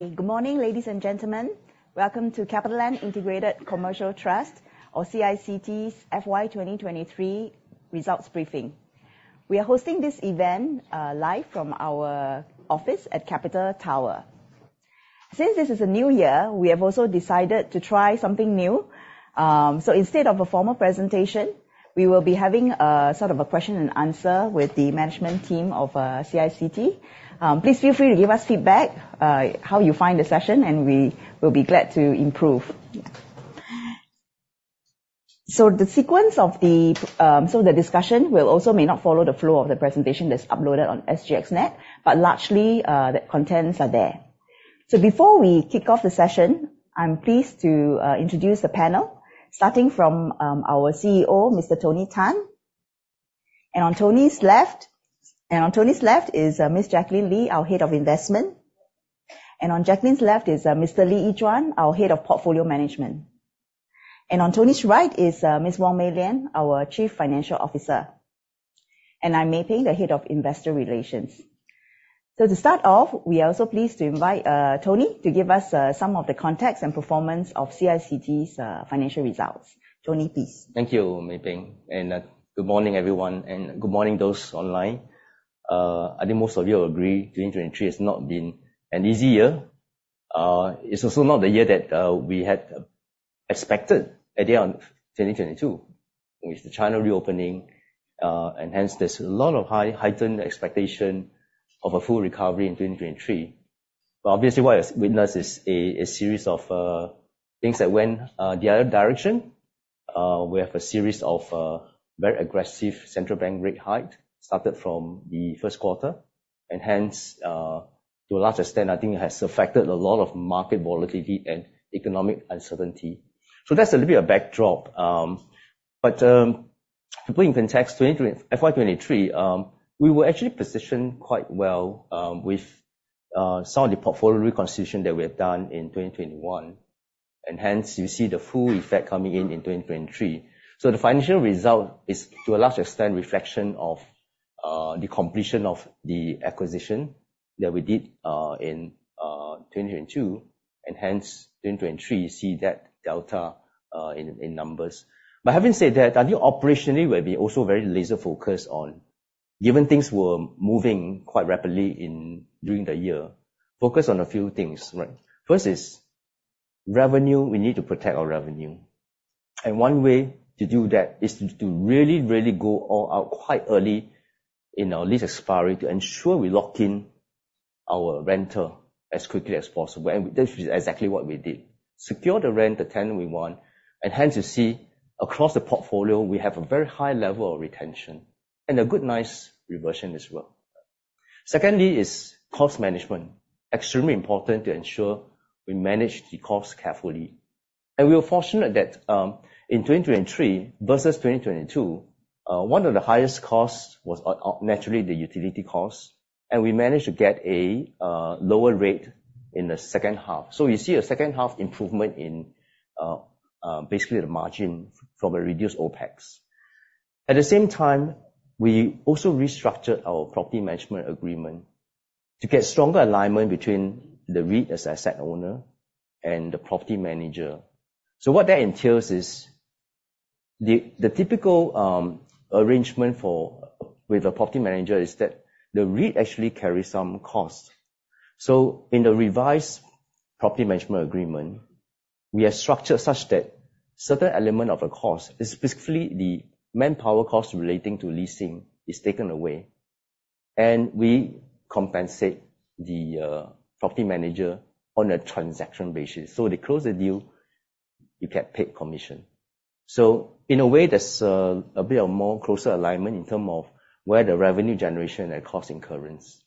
Good morning, ladies and gentlemen. Welcome to CapitaLand Integrated Commercial Trust, or CICT's FY 2023 results briefing. We are hosting this event live from our office at Capita Tower. Instead of a formal presentation, we will be having a question and answer with the management team of CICT. Please feel free to give us feedback on how you find the session, and we will be glad to improve. The discussion may not follow the flow of the presentation that's uploaded on SGXNet, but largely the contents are there. Before we kick off the session, I'm pleased to introduce the panel starting from our CEO, Mr. Tony Tan. On Tony's left is Ms. Jacqueline Lee, our head of investment. On Jacqueline's left is Mr. Lee Yi Zhuan, our head of portfolio management. On Tony's right is Ms. Wong Mei Lian, our Chief Financial Officer. I'm Mei Ping, the Head of Investor Relations. To start off, we are so pleased to invite Tony to give us some of the context and performance of CICT's financial results. Tony, please. Thank you, Mei Ping, and good morning, everyone, and good morning those online. I think most of you agree 2023 has not been an easy year. It's also not the year that we had expected at the end of 2022 with the China reopening. Hence there's a lot of heightened expectation of a full recovery in 2023. Obviously what we witnessed is a series of things that went the other direction. We have a series of very aggressive central bank rate hike started from the first quarter, and hence, to a large extent, I think it has affected a lot of market volatility and economic uncertainty. That's a little bit of backdrop. To put in context FY 2023, we were actually positioned quite well with some of the portfolio reconstitution that we have done in 2021, and hence you see the full effect coming in in 2023. The financial result is to a large extent reflection of the completion of the acquisition that we did in 2022, and hence 2023 you see that delta in numbers. Having said that, I think operationally we'll be also very laser focused on given things were moving quite rapidly during the year. Focus on a few things, right? First is revenue. We need to protect our revenue. One way to do that is to really go all out quite early in our lease expiry to ensure we lock in our renter as quickly as possible. That's exactly what we did. Secure the rent, the tenant we want. Hence you see across the portfolio we have a very high level of retention and a good, nice reversion as well. Secondly is cost management. Extremely important to ensure we manage the cost carefully. We are fortunate that in 2023 versus 2022, one of the highest costs was naturally the utility cost, and we managed to get a lower rate in the second half. You see a second-half improvement in basically the margin from a reduced OpEx. At the same time, we also restructured our property management agreement to get stronger alignment between the REIT asset owner and the property manager. What that entails is the typical arrangement with the property manager is that the REIT actually carries some cost. In the revised property management agreement, we have structured such that certain element of a cost is specifically the manpower cost relating to leasing is taken away, and we compensate the property manager on a transaction basis. They close the deal, you get paid commission. In a way, that's a bit of more closer alignment in term of where the revenue generation and cost incurrence.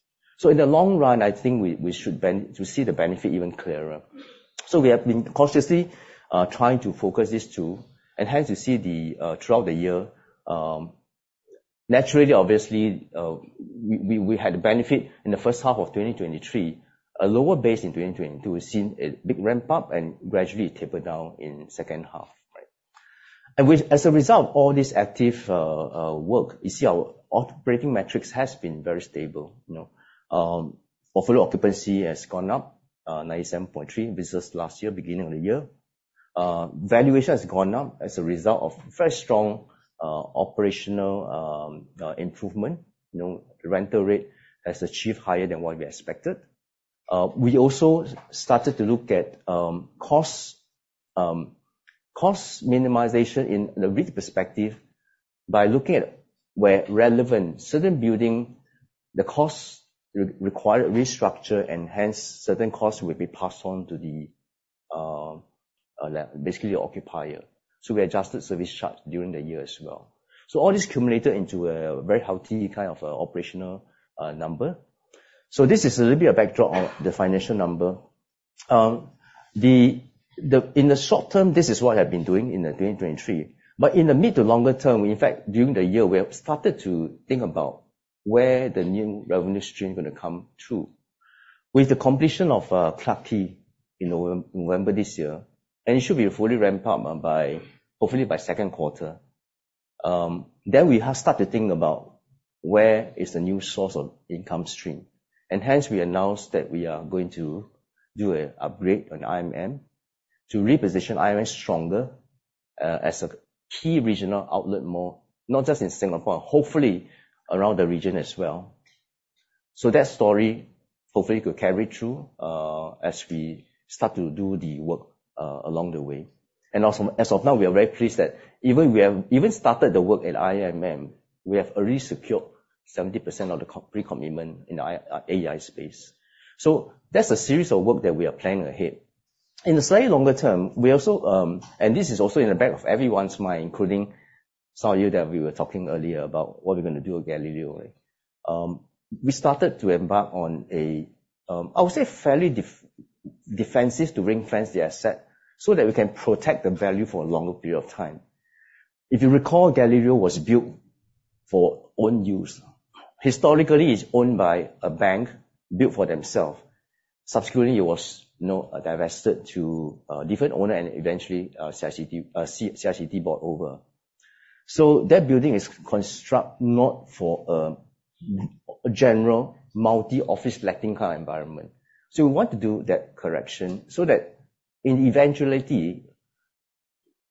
In the long run, I think we should see the benefit even clearer. We have been cautiously trying to focus these two. Hence you see throughout the year, naturally, obviously, we had a benefit in the first half of 2023, a lower base in 2022. We've seen a big ramp up and gradually taper down in second half. Right. As a result, all this active work, you see our operating metrics has been very stable. Portfolio occupancy has gone up 97.3 versus last year, beginning of the year. Valuation has gone up as a result of very strong operational improvement. Rental rate has achieved higher than what we expected. We also started to look at cost minimization in the REIT perspective by looking at where relevant certain building the cost require a restructure. Hence certain costs will be passed on to basically the occupier. We adjusted service charge during the year as well. All this cumulated into a very healthy operational number. This is a little bit of backdrop of the financial number. In the short term, this is what I've been doing in 2023. In the mid to longer term, in fact during the year, we have started to think about where the new revenue stream going to come through. With the completion of Clarke Quay in November this year, it should be a fully ramp up hopefully by second quarter. We have started thinking about where is the new source of income stream. Hence, we announced that we are going to do an upgrade on IMM to reposition IMM stronger as a key regional outlet mall, not just in Singapore, hopefully around the region as well. That story hopefully could carry through as we start to do the work along the way. Also, as of now, we are very pleased that even started the work at IMM, we have already secured 70% of the pre-commitment in our AEI space. That's a series of work that we are planning ahead. In the slightly longer term, this is also in the back of everyone's mind, including some of you that we were talking earlier about what we're going to do with Gallileo. We started to embark on a, I would say fairly defensive to ring-fence the asset so that we can protect the value for a longer period of time. If you recall, Gallileo was built for own use. Historically, it's owned by a bank, built for themself. Subsequently, it was divested to a different owner and eventually CICT bought over. That building is constructed not for a general multi-office letting kind of environment. We want to do that correction so that in eventuality,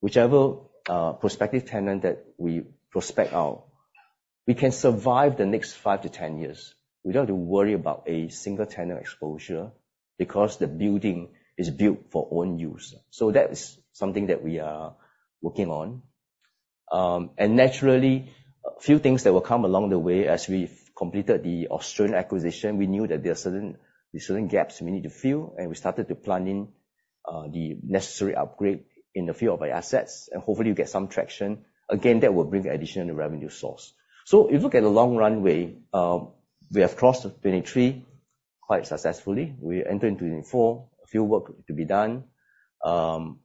whichever prospective tenant that we prospect out, we can survive the next five to 10 years. We don't have to worry about a single tenant exposure because the building is built for own use. That is something that we are working on. Naturally, a few things that will come along the way. As we've completed the Australian acquisition, we knew that there are certain gaps we need to fill, and we started to plan in the necessary upgrade in a few of our assets and hopefully you get some traction. Again, that will bring additional revenue source. If you look at the long runway, we have crossed 2023 quite successfully. We enter in 2024, a few work to be done. Hopefully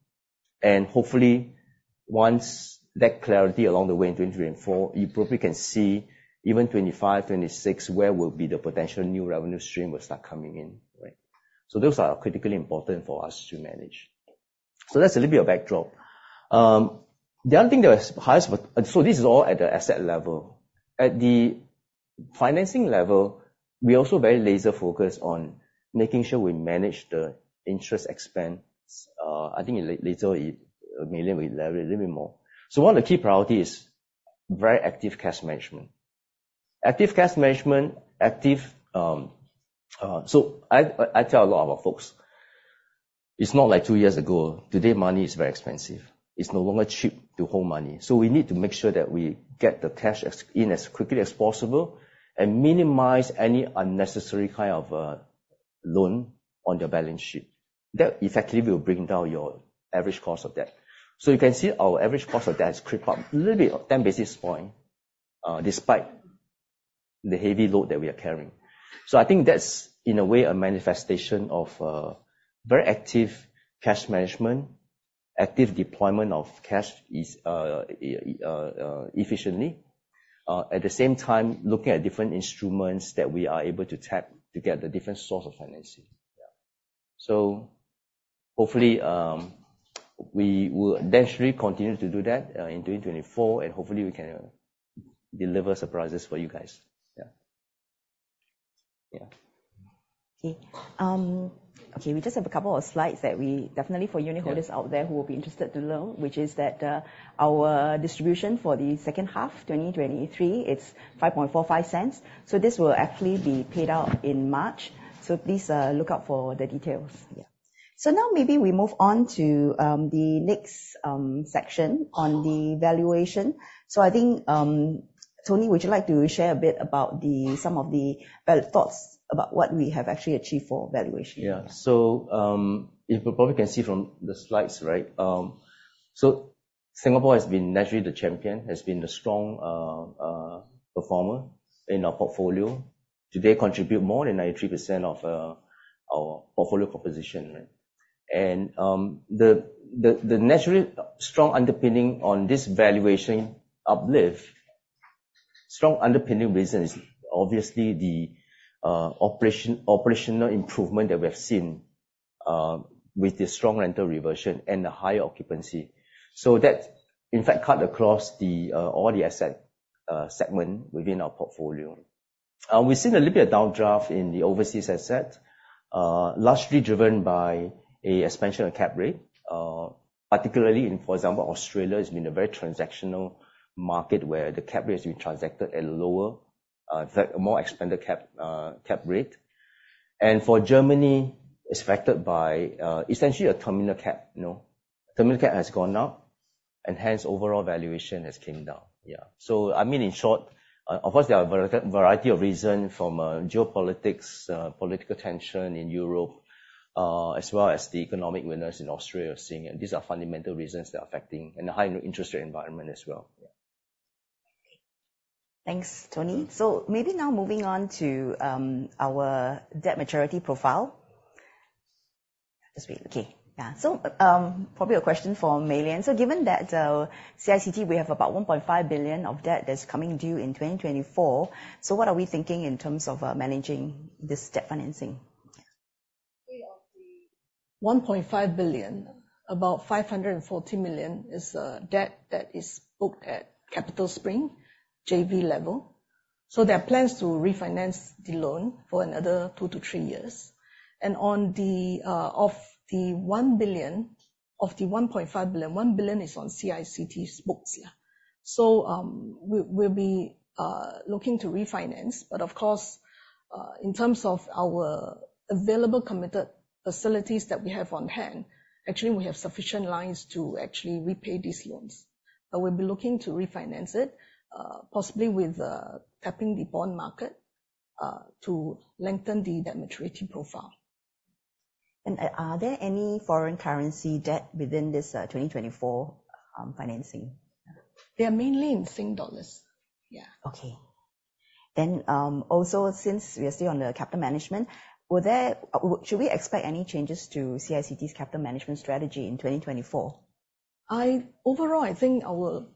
once that clarity along the way in 2023 and 2024, you probably can see even 2025, 2026, where will be the potential new revenue stream will start coming in. Right. Those are critically important for us to manage. That's a little bit of backdrop. This is all at the asset level. At the financing level, we're also very laser focused on making sure we manage the interest expense. I think later, Mei Lian will elaborate a little bit more. One of the key priority is very active cash management. Active cash management. I tell a lot of our folks, it's not like two years ago. Today, money is very expensive. It's no longer cheap to hold money. We need to make sure that we get the cash in as quickly as possible and minimize any unnecessary kind of loan on the balance sheet. That effectively will bring down your average cost of debt. You can see our average cost of debt has creep up a little bit, 10 basis point, despite the heavy load that we are carrying. I think that's, in a way, a manifestation of very active cash management, active deployment of cash efficiently. At the same time, looking at different instruments that we are able to tap to get the different source of financing. Yeah. Hopefully, we will naturally continue to do that in 2024, hopefully we can deliver surprises for you guys. Yeah. Okay. We just have a couple of slides that we definitely for unitholders out there who will be interested to learn, which is that our distribution for the second half 2023, it's 0.0545. This will actually be paid out in March. Please look out for the details. Now maybe we move on to the next section on the valuation. I think, Tony, would you like to share a bit about some of the thoughts about what we have actually achieved for valuation? You probably can see from the slides? Singapore has been naturally the champion, has been a strong performer in our portfolio. Today, contribute more than 93% of our portfolio composition. The naturally strong underpinning on this valuation uplift, strong underpinning reason is obviously the operational improvement that we have seen with the strong rental reversion and the higher occupancy. That, in fact, cut across all the asset segment within our portfolio. We've seen a little bit of downdraft in the overseas asset, largely driven by expansion of cap rate. Particularly in, for example, Australia, it's been a very transactional market where the cap rates being transacted at lower, in fact, a more expanded cap rate. For Germany, it's affected by essentially a terminal cap. Terminal cap has gone up and hence overall valuation has came down. In short, of course, there are a variety of reason from geopolitics, political tension in Europe, as well as the economic winners in Australia are seeing, these are fundamental reasons they are affecting in a high interest rate environment as well. Okay. Thanks, Tony. Maybe now moving on to our debt maturity profile. Probably a question for Mei Lian. Given that CICT, we have about 1.5 billion of debt that's coming due in 2024. What are we thinking in terms of managing this debt financing? 1.5 billion, about 540 million is debt that is booked at CapitaSpring JV level. There are plans to refinance the loan for another two to three years. Of the 1.5 billion, 1 billion is on CICT's books. We'll be looking to refinance. Of course, in terms of our available committed facilities that we have on hand, actually, we have sufficient lines to actually repay these loans. We'll be looking to refinance it, possibly with tapping the bond market, to lengthen the debt maturity profile. Are there any foreign currency debt within this 2024 financing? They are mainly in SGD. Yeah. Okay. Also since we are still on the capital management, should we expect any changes to CICT's capital management strategy in 2024? Overall, I think our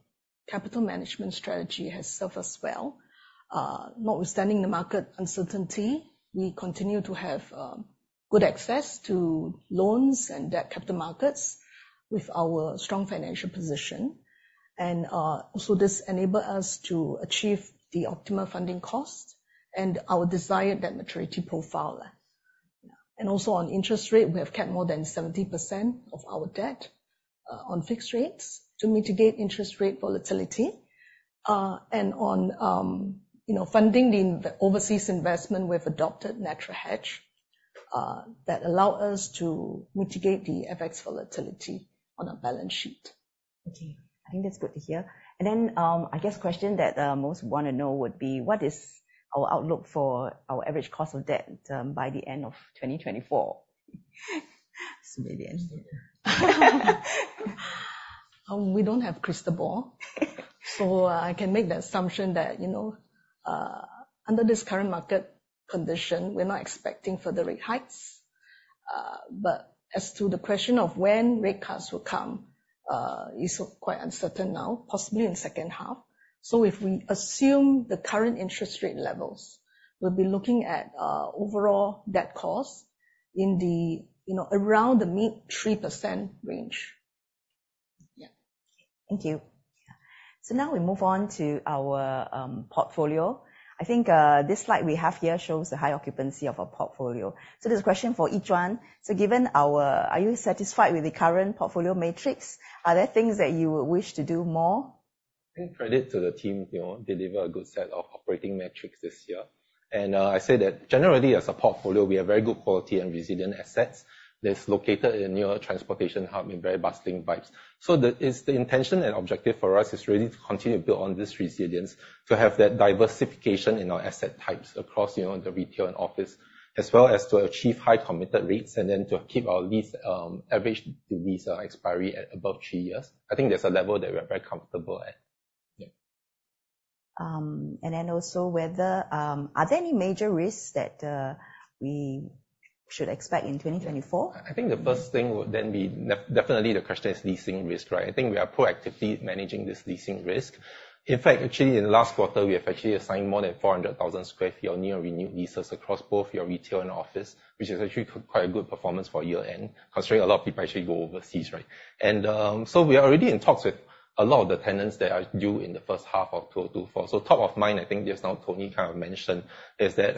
capital management strategy has served us well. Notwithstanding the market uncertainty, we continue to have good access to loans and debt capital markets with our strong financial position. This enable us to achieve the optimal funding cost and our desired debt maturity profile. Also on interest rate, we have kept more than 70% of our debt on fixed rates to mitigate interest rate volatility. On funding the overseas investment, we've adopted natural hedge, that allow us to mitigate the FX volatility on a balance sheet. Okay. I think that's good to hear. I guess question that most want to know would be, what is our outlook for our average cost of debt by the end of 2024? It's maybe the end. We don't have crystal ball. I can make the assumption that under this current market condition, we're not expecting further rate hikes. As to the question of when rate cuts will come, is quite uncertain now, possibly in the second half. If we assume the current interest rate levels, we'll be looking at overall debt costs around the mid 3% range. Yeah. Thank you. Now we move on to our portfolio. I think this slide we have here shows the high occupancy of our portfolio. There's a question for Yi Zhuan. Are you satisfied with the current portfolio matrix? Are there things that you wish to do more? I give credit to the team, deliver a good set of operating metrics this year. I say that generally as a portfolio, we have very good quality and resilient assets that's located in your transportation hub in very bustling vibes. The intention and objective for us is really to continue to build on this resilience, to have that diversification in our asset types across the retail and office, as well as to achieve high committed rates and then to keep our average lease expiry at above three years. I think that's a level that we are very comfortable at. Yeah. Also, are there any major risks that we should expect in 2024? I think the first thing would then be definitely the question is leasing risk, right? I think we are proactively managing this leasing risk. In fact, actually in the last quarter, we have actually assigned more than 400,000 square feet on new or renewed leases across both your retail and office, which is actually quite a good performance for year-end, considering a lot of people actually go overseas. We are already in talks with a lot of the tenants that are due in the first half of 2024. Top of mind, I think just now Tony kind of mentioned, is that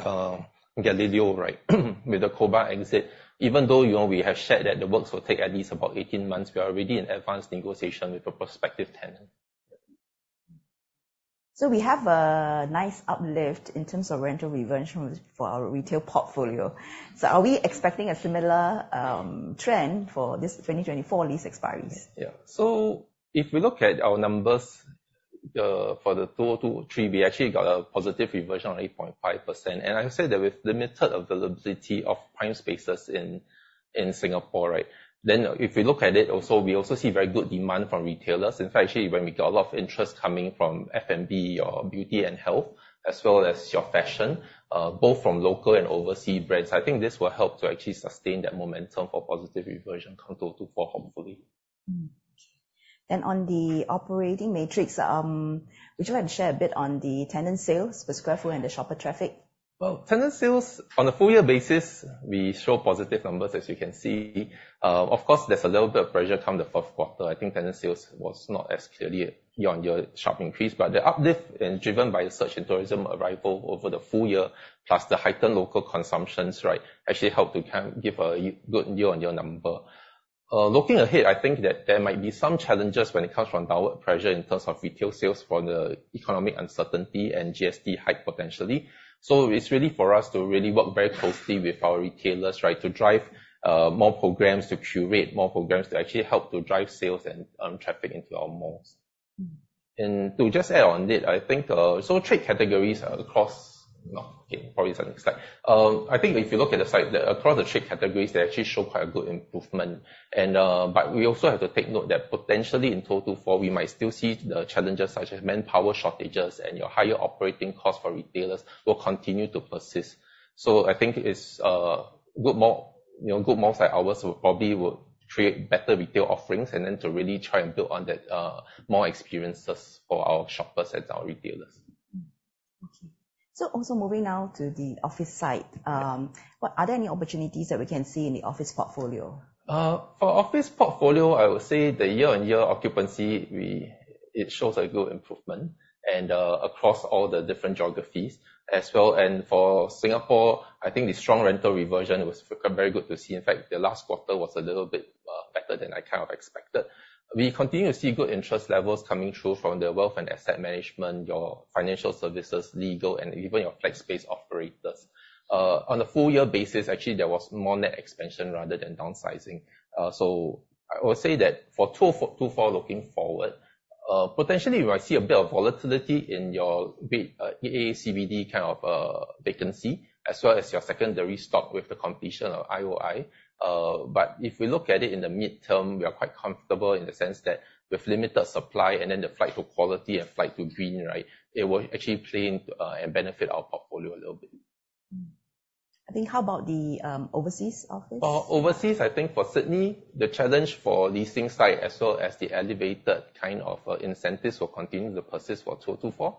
Galeries Lafayette with the Commerzbank exit. Even though we have shared that the works will take at least about 18 months, we are already in advanced negotiation with a prospective tenant. We have a nice uplift in terms of rental reversion for our retail portfolio. Are we expecting a similar trend for this 2024 lease expiries? If we look at our numbers for 2023, we actually got a positive reversion on 8.5%. I would say that with limited availability of prime spaces in Singapore. If we look at it also, we also see very good demand from retailers. In fact, actually, we got a lot of interest coming from F&B or beauty and health, as well as your fashion, both from local and overseas brands. I think this will help to actually sustain that momentum for positive reversion come 2024, hopefully. On the operating matrix, would you like to share a bit on the tenant sales per square foot and the shopper traffic? Well, tenant sales on a full year basis, we show positive numbers as you can see. Of course, there's a little bit of pressure come the fourth quarter. I think tenant sales was not as clearly year-on-year sharp increase. The uplift driven by the search in tourism arrival over the full year plus the heightened local consumptions actually helped to give a good year-on-year number. Looking ahead, I think that there might be some challenges when it comes from downward pressure in terms of retail sales from the economic uncertainty and GST hike potentially. It's really for us to really work very closely with our retailers to drive more programs, to curate more programs to actually help to drive sales and traffic into our malls. I think if you look at the site, across the trade categories, they actually show quite a good improvement. We also have to take note that potentially in 2024, we might still see the challenges such as manpower shortages and your higher operating costs for retailers will continue to persist. I think it's good malls like ours will probably create better retail offerings and then to really try and build on that, more experiences for our shoppers and our retailers. Moving now to the office side, are there any opportunities that we can see in the office portfolio? For office portfolio, I would say the year-on-year occupancy, it shows a good improvement and across all the different geographies as well. For Singapore, I think the strong rental reversion was very good to see. In fact, the last quarter was a little bit better than I kind of expected. We continue to see good interest levels coming through from the wealth and asset management, your financial services, legal, and even your flex space operators. On a full year basis, actually, there was more net expansion rather than downsizing. I would say that for 2024, looking forward, potentially we might see a bit of volatility in your EA, CBD kind of vacancy, as well as your secondary stock with the completion of IOI. If we look at it in the midterm, we are quite comfortable in the sense that with limited supply and then the flight for quality and flight to green, right, it will actually play into and benefit our portfolio a little bit. I think, how about the overseas office? Overseas, I think for Sydney, the challenge for leasing side, as well as the elevated kind of incentives will continue to persist for 2024.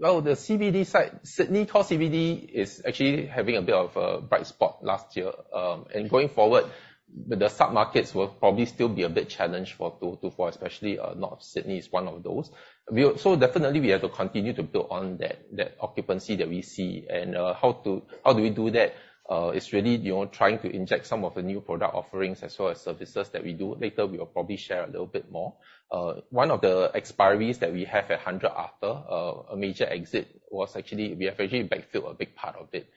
Well, the CBD side, Sydney Core CBD is actually having a bit of a bright spot last year. Going forward, the submarkets will probably still be a bit challenged for 2024, especially North Sydney is one of those. Definitely, we have to continue to build on that occupancy that we see. How do we do that? It is really trying to inject some of the new product offerings as well as services that we do. Later, we will probably share a little bit more. One of the expiries that we have at 100 Arthur, a major exit was actually, we have actually backfilled a big part of it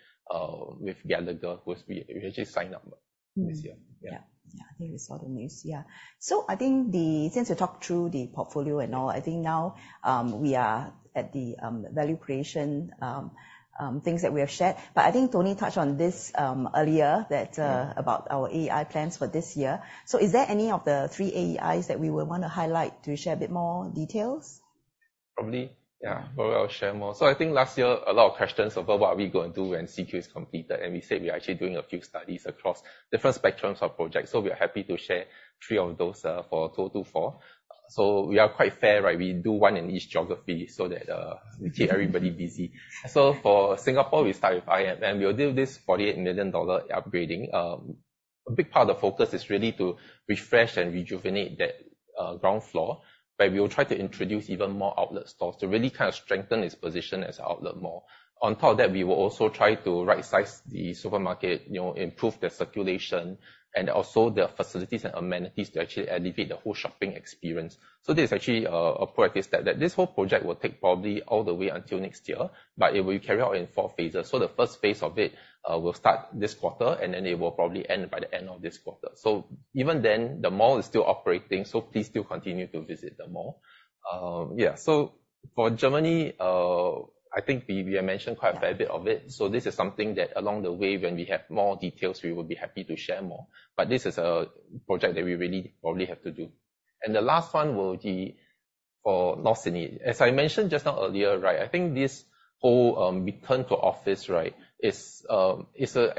with Gallagher, who has actually signed up this year. Yeah. Yeah. I think we saw the news, yeah. I think since we talked through the portfolio and all, I think now we are at the value creation things that we have shared. I think Tony touched on this earlier that about our AEI plans for this year. Is there any of the three AEIs that we would want to highlight to share a bit more details? Probably, yeah. Probably I will share more. I think last year, a lot of questions about what are we going to do when CQ is completed, and we said we are actually doing a few studies across different spectrums of projects. We are happy to share three of those for 2024. We are quite fair, right? We do one in each geography so that we keep everybody busy. For Singapore, we start with IMM, we will do this 48 million dollar upgrading. A big part of the focus is really to refresh and rejuvenate that ground floor, where we will try to introduce even more outlet stores to really kind of strengthen its position as a outlet mall. On top of that, we will also try to rightsize the supermarket, improve their circulation, and also their facilities and amenities to actually elevate the whole shopping experience. This is actually a proactive step. This whole project will take probably all the way until next year, but it will carry out in four phases. The first phase of it will start this quarter, and then it will probably end by the end of this quarter. Even then, the mall is still operating, so please still continue to visit the mall. Yeah. For Germany, I think we have mentioned quite a fair bit of it. This is something that along the way when we have more details, we will be happy to share more. This is a project that we really probably have to do. The last one will be for North Sydney. As I mentioned just now earlier, right, I think this whole return to office, right, is a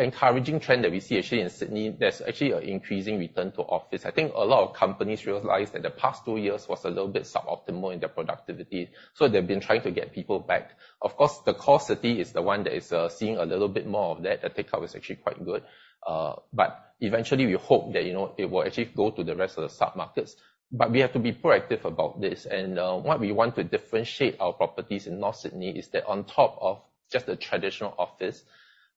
encouraging trend that we see actually in Sydney. There's actually an increasing return to office. I think a lot of companies realized that the past two years was a little bit suboptimal in their productivity, so they've been trying to get people back. Of course, the core city is the one that is seeing a little bit more of that. The takeout was actually quite good. Eventually, we hope that it will actually go to the rest of the submarkets. We have to be proactive about this. What we want to differentiate our properties in North Sydney is that on top of just a traditional office,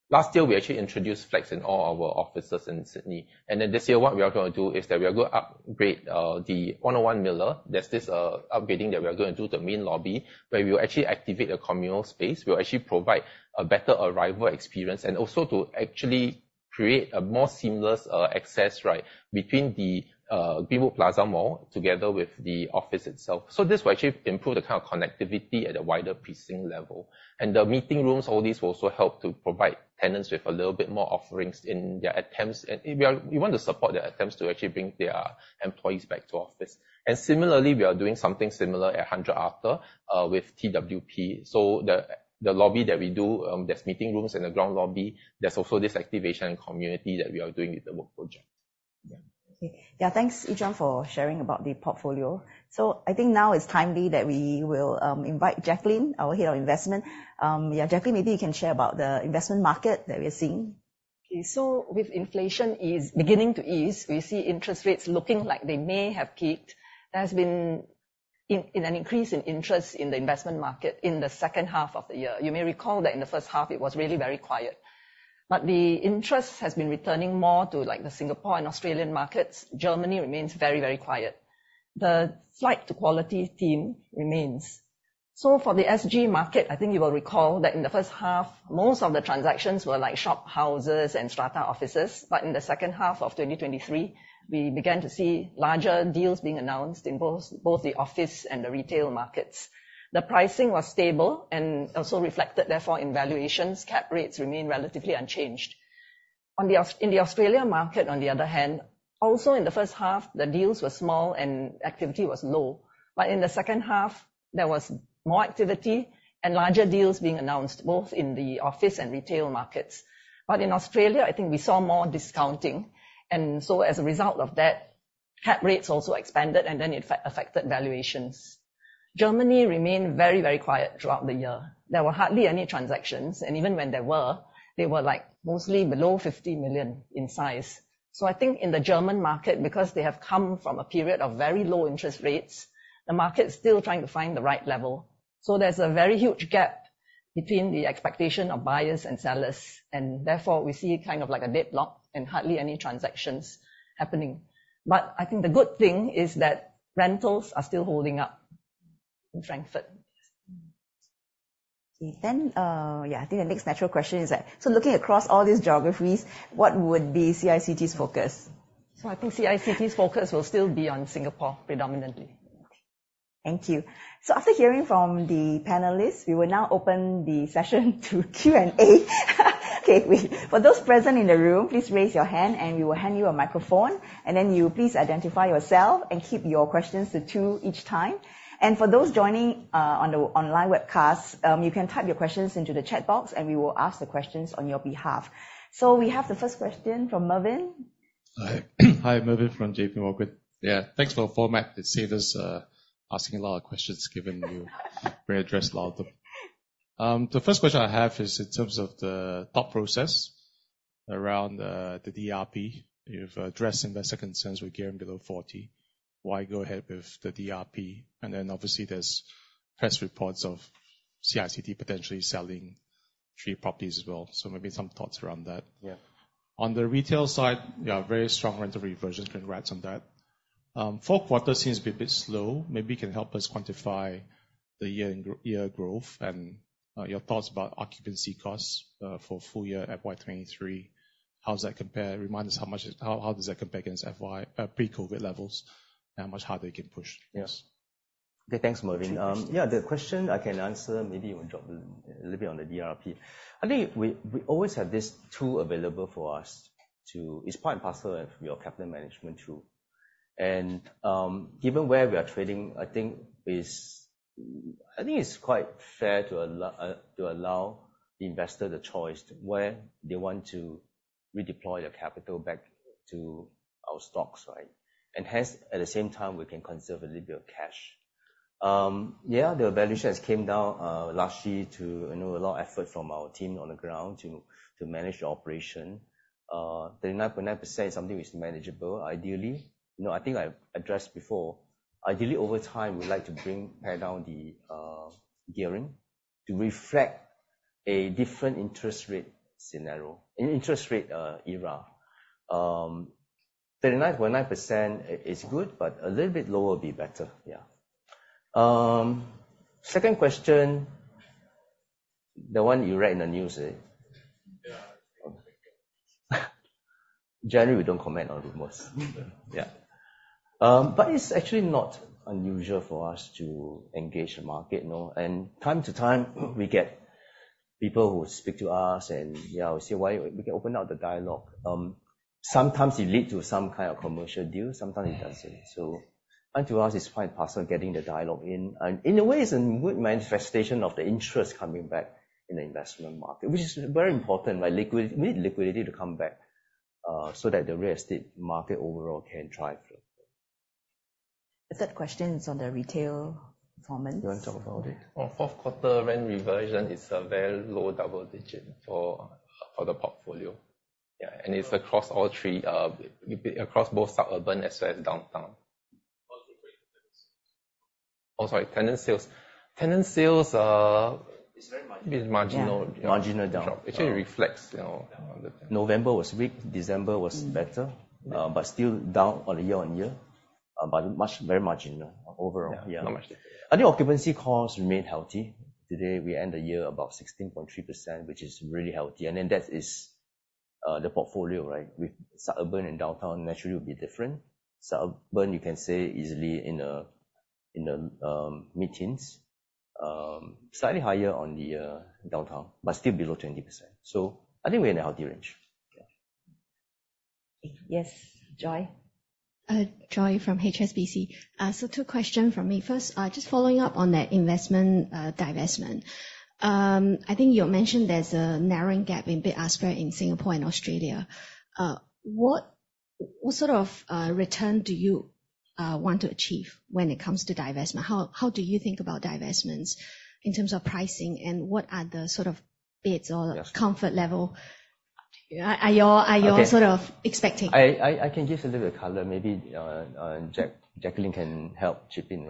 last year, we actually introduced flex in all our offices in Sydney. This year, what we are going to do is that we are going to upgrade the 101 Miller. There's this upgrading that we are going to do to the main lobby, where we will actually activate a communal space. We'll actually provide a better arrival experience and also to actually create a more seamless access, right, between the Vivo Plaza mall together with the office itself. This will actually improve the kind of connectivity at a wider precinct level. The meeting rooms, all these will also help to provide tenants with a little bit more offerings in their attempts. We want to support their attempts to actually bring their employees back to office. Similarly, we are doing something similar at 100 Arthur with TWP. The lobby that we do, there's meeting rooms in the ground lobby. There's also this activation community that we are doing with The Work Project. Thanks Yi Zhuan for sharing about the portfolio. I think now it's timely that we will invite Jacqueline, our Head of Investment. Jacqueline, maybe you can share about the investment market that we are seeing. With inflation beginning to ease, we see interest rates looking like they may have peaked. There has been an increase in interest in the investment market in the second half of the year. You may recall that in the first half, it was really very quiet. The interest has been returning more to like the Singapore and Australian markets. Germany remains very, very quiet. The flight to quality theme remains. For the SG market, I think you will recall that in the first half, most of the transactions were like shophouses and strata offices. In the second half of 2023, we began to see larger deals being announced in both the office and the retail markets. The pricing was stable and also reflected, therefore, in valuations. Cap rates remain relatively unchanged. In the Australia market, on the other hand, also in the first half, the deals were small and activity was low. In the second half, there was more activity and larger deals being announced, both in the office and retail markets. In Australia, I think we saw more discounting, and as a result of that, Cap rates also expanded, and then it affected valuations. Germany remained very, very quiet throughout the year. There were hardly any transactions, and even when there were, they were mostly below 50 million in size. I think in the German market, because they have come from a period of very low interest rates, the market's still trying to find the right level. There's a very huge gap between the expectation of buyers and sellers. Therefore, we see a deadlock and hardly any transactions happening. I think the good thing is that rentals are still holding up in Frankfurt. I think the next natural question is that, looking across all these geographies, what would be CICT's focus? I think CICT's focus will still be on Singapore predominantly. Thank you. After hearing from the panelists, we will now open the session to Q&A. For those present in the room, please raise your hand and we will hand you a microphone, then you please identify yourself and keep your questions to two each time. For those joining on the online webcast, you can type your questions into the chat box and we will ask the questions on your behalf. We have the first question from Mervin. Hi, Mervin from JPMorgan. Thanks for the format. It saved us asking a lot of questions, given you've addressed a lot of them. The first question I have is in terms of the thought process around the DRP. You've addressed investor concerns with gearing below 40. Why go ahead with the DRP? Then obviously there's press reports of CICT potentially selling three properties as well. Maybe some thoughts around that. Yeah. On the retail side, you have very strong rental reversion. Congrats on that. Fourth quarter seems to be a bit slow. Maybe you can help us quantify the year-on-year growth and your thoughts about occupancy costs for full year FY 2023. How does that compare against pre-COVID levels, and how much harder you can push this? Thanks, Mervin. Two questions. Yeah, the question I can answer, maybe you want to drop a little bit on the DRP. I think we always have this tool available for us. It's part and parcel of your capital management tool. Given where we are trading, I think it's quite fair to allow the investor the choice where they want to redeploy their capital back to our stocks, right? Hence, at the same time, we can conserve a little bit of cash. Yeah, the valuation has come down last year to a lot of effort from our team on the ground to manage the operation. 39.9% is something which is manageable. I think I addressed before. Ideally, over time, we'd like to pare down the gearing to reflect a different interest rate scenario, an interest rate era. 39.9% is good, but a little bit lower would be better. Yeah. Second question, the one you read in the news, eh? Yeah. Generally, we don't comment on rumors. Okay. It's actually not unusual for us to engage the market. Time to time, we get people who speak to us and we say, "We can open up the dialogue." Sometimes it leads to some kind of commercial deal, sometimes it doesn't. Unto us, it's quite parcel getting the dialogue in. In a way, it's a good manifestation of the interest coming back in the investment market, which is very important, right? We need liquidity to come back, so that the real estate market overall can drive through. The third question is on the retail performance. Do you want to talk about it? Fourth quarter rent reversion is a very low double digit for the portfolio. Yeah. It's across both suburban as well as downtown. What's the rate for tenant sales? Oh, sorry, tenant sales. It's very marginal. Marginal. Yeah. Marginal down. It actually reflects on the- November was weak, December was better. Still down on a year-on-year. Very marginal overall. Yeah. I think occupancy costs remain healthy. Today we end the year above 16.3%, which is really healthy. That is the portfolio. With suburban and downtown naturally will be different. Suburban, you can say easily in the mid-teens. Slightly higher on the downtown, but still below 20%. I think we're in a healthy range. Yeah. Yes, Joy. Joy from HSBC. Two questions from me. First, just following up on that investment divestment. I think you mentioned there's a narrowing gap in bid ask spread in Singapore and Australia. What sort of return do you want to achieve when it comes to divestment? How do you think about divestments in terms of pricing, and what are the sort of bids or- Yeah ...comfort level are you all sort of expecting? Okay. I can give a little color, maybe Jacqueline can help chip in.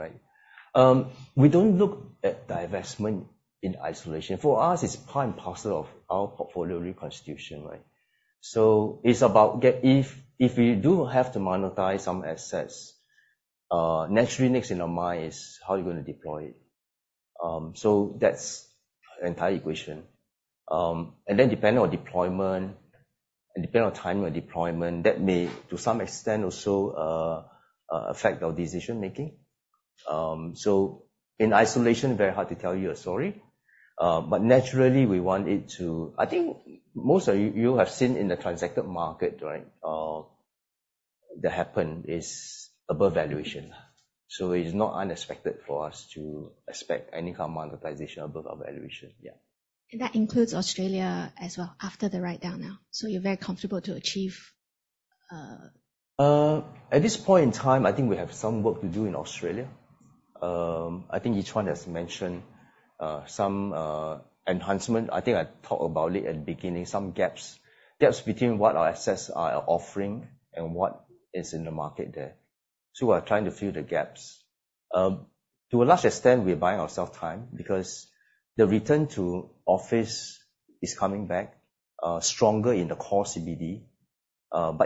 We don't look at divestment in isolation. For us, it's part and parcel of our portfolio reconstitution. It's about if we do have to monetize some assets, naturally next in our mind is how are you going to deploy it? That's the entire equation. Depending on deployment and depending on time of deployment, that may, to some extent also affect our decision making. In isolation, very hard to tell you a story. Naturally we want it to I think most of you have seen in the transacted market that happened is above valuation. So it is not unexpected for us to expect any kind of monetization above our valuation. Yeah. That includes Australia as well after the writedown now. You're very comfortable to achieve At this point in time, I think we have some work to do in Australia. I think Yi Zhuan has mentioned some enhancement. I think I talked about it at beginning, some gaps. Gaps between what our assets are offering and what is in the market there. We're trying to fill the gaps. To a large extent, we are buying ourself time because the return to office is coming back stronger in the core CBD.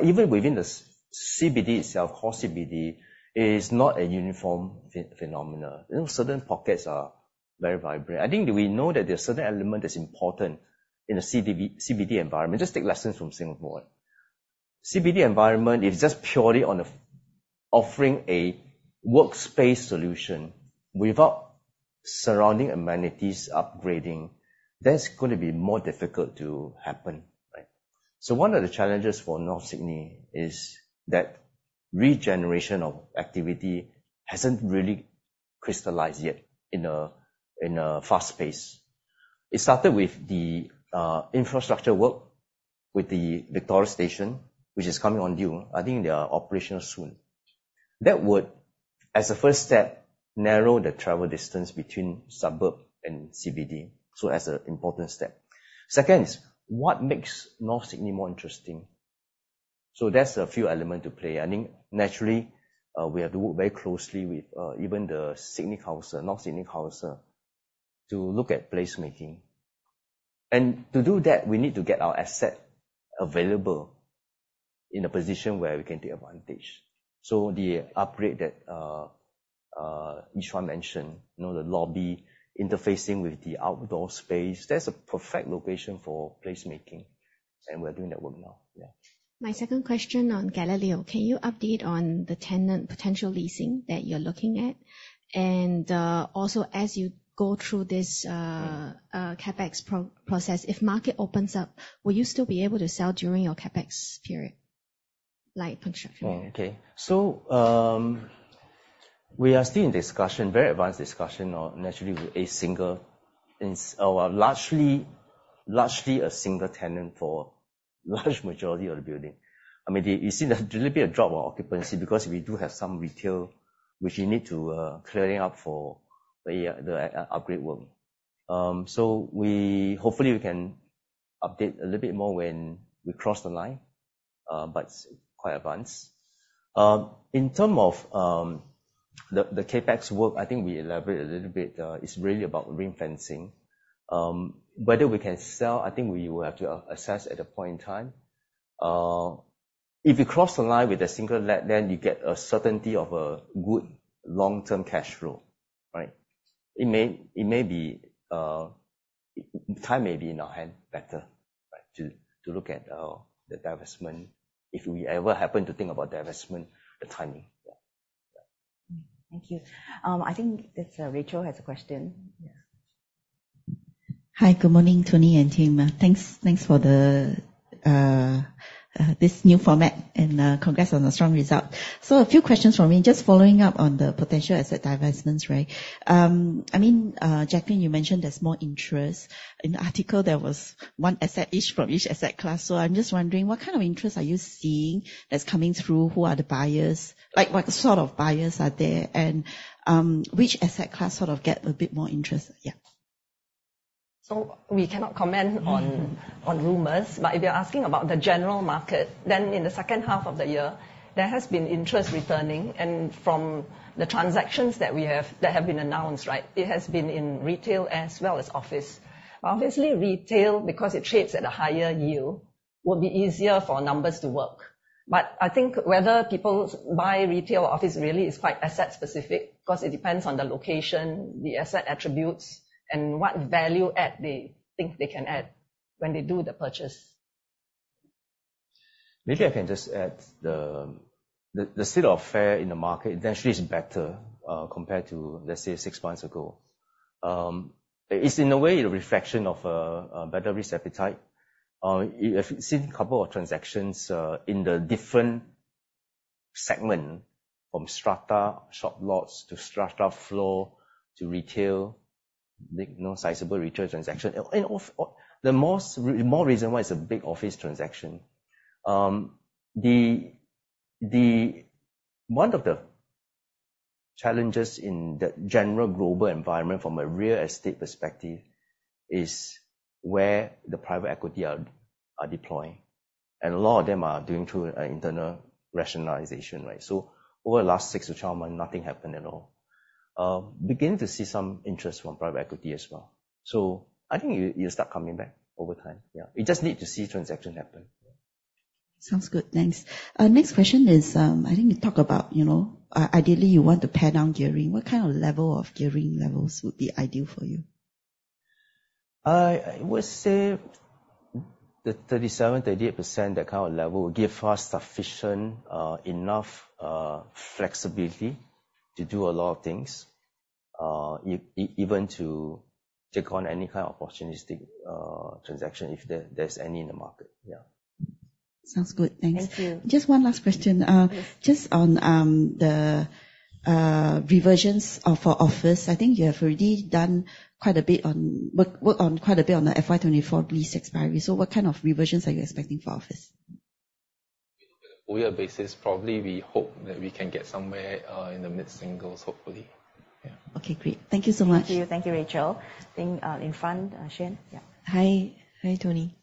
Even within the CBD itself, core CBD is not a uniform phenomena. Certain pockets are very vibrant. I think that we know that there are certain element that's important in a CBD environment. Just take lessons from Singapore. CBD environment is just purely on offering a workspace solution without surrounding amenities upgrading. That's going to be more difficult to happen, right? One of the challenges for North Sydney is that regeneration of activity hasn't really crystallized yet in a fast pace. It started with the infrastructure work with the Victoria Station, which is coming on due. I think they are operational soon. That would, as a first step, narrow the travel distance between suburb and CBD, as an important step. Second is what makes North Sydney more interesting? That's a few element to play. I think naturally, we have to work very closely with even the City of Sydney, North Sydney Council, to look at placemaking. To do that, we need to get our asset available in a position where we can take advantage. The upgrade that Yi Zhuan mentioned, the lobby interfacing with the outdoor space, that's a perfect location for placemaking. We're doing that work now. Yeah. My second question on Gallileo, can you update on the tenant potential leasing that you're looking at? And, also as you go through this CapEx process, if market opens up, will you still be able to sell during your CapEx period, like construction period? We are still in discussion, very advanced discussion on naturally with a largely a single tenant for large majority of the building. You see there's a little bit of drop of occupancy because we do have some retail which you need to clearing up for the upgrade work. Hopefully we can update a little bit more when we cross the line. It's quite advanced. In term of the CapEx work, I think we elaborated a little bit. It's really about ring-fencing. Whether we can sell, I think we will have to assess at a point in time. If you cross the line with a single let, then you get a certainty of a good long-term cash flow. Right? Time may be in our hand better to look at the divestment, if we ever happen to think about divestment, the timing. Yeah. Thank you. I think that Rachel has a question. Yeah. Hi. Good morning, Tony and team. Thanks for this new format and congrats on the strong result. A few questions from me. Just following up on the potential asset divestments, right? Jacqueline, you mentioned there's more interest. In the article there was one asset each from each asset class. I'm just wondering, what kind of interest are you seeing that's coming through? Who are the buyers? What sort of buyers are there, and which asset class sort of get a bit more interest? Yeah. We cannot comment on rumors, but if you are asking about the general market, then in the second half of the year, there has been interest returning. From the transactions that have been announced, right? It has been in retail as well as office. Obviously retail, because it trades at a higher yield, will be easier for numbers to work. I think whether people buy retail office really is quite asset specific because it depends on the location, the asset attributes, and what value add they think they can add when they do the purchase. Maybe I can just add the state of play in the market eventually is better compared to, let's say, six months ago. It's in a way a reflection of a better risk appetite. You have seen a couple of transactions in the different segment, from strata shop lots to strata floor to retail. You know, sizable retail transaction. In all The more reason why it's a big office transaction. One of the challenges in the general global environment from a real estate perspective is where the private equity are deploying, and a lot of them are doing through an internal rationalization, right? Over the last six to 12 months, nothing happened at all. Beginning to see some interest from private equity as well. I think it'll start coming back over time. Yeah. We just need to see transaction happen. Sounds good. Thanks. Next question is, I think you talked about ideally you want to pare down gearing. What kind of level of gearing levels would be ideal for you? I would say the 37%, 38%, that kind of level will give us sufficient enough flexibility to do a lot of things, even to take on any kind of opportunistic transaction if there's any in the market. Yeah. Sounds good. Thanks. Thank you. Just one last question. Yes. Just on the reversions of our office. I think you have already done quite a bit on the FY 2024 lease expiry. What kind of reversions are you expecting for office? On a year basis, probably we hope that we can get somewhere in the mid-singles, hopefully. Yeah. Okay, great. Thank you so much. Thank you, Rachel. I think in front, Shane. Yeah. Hi, Tony.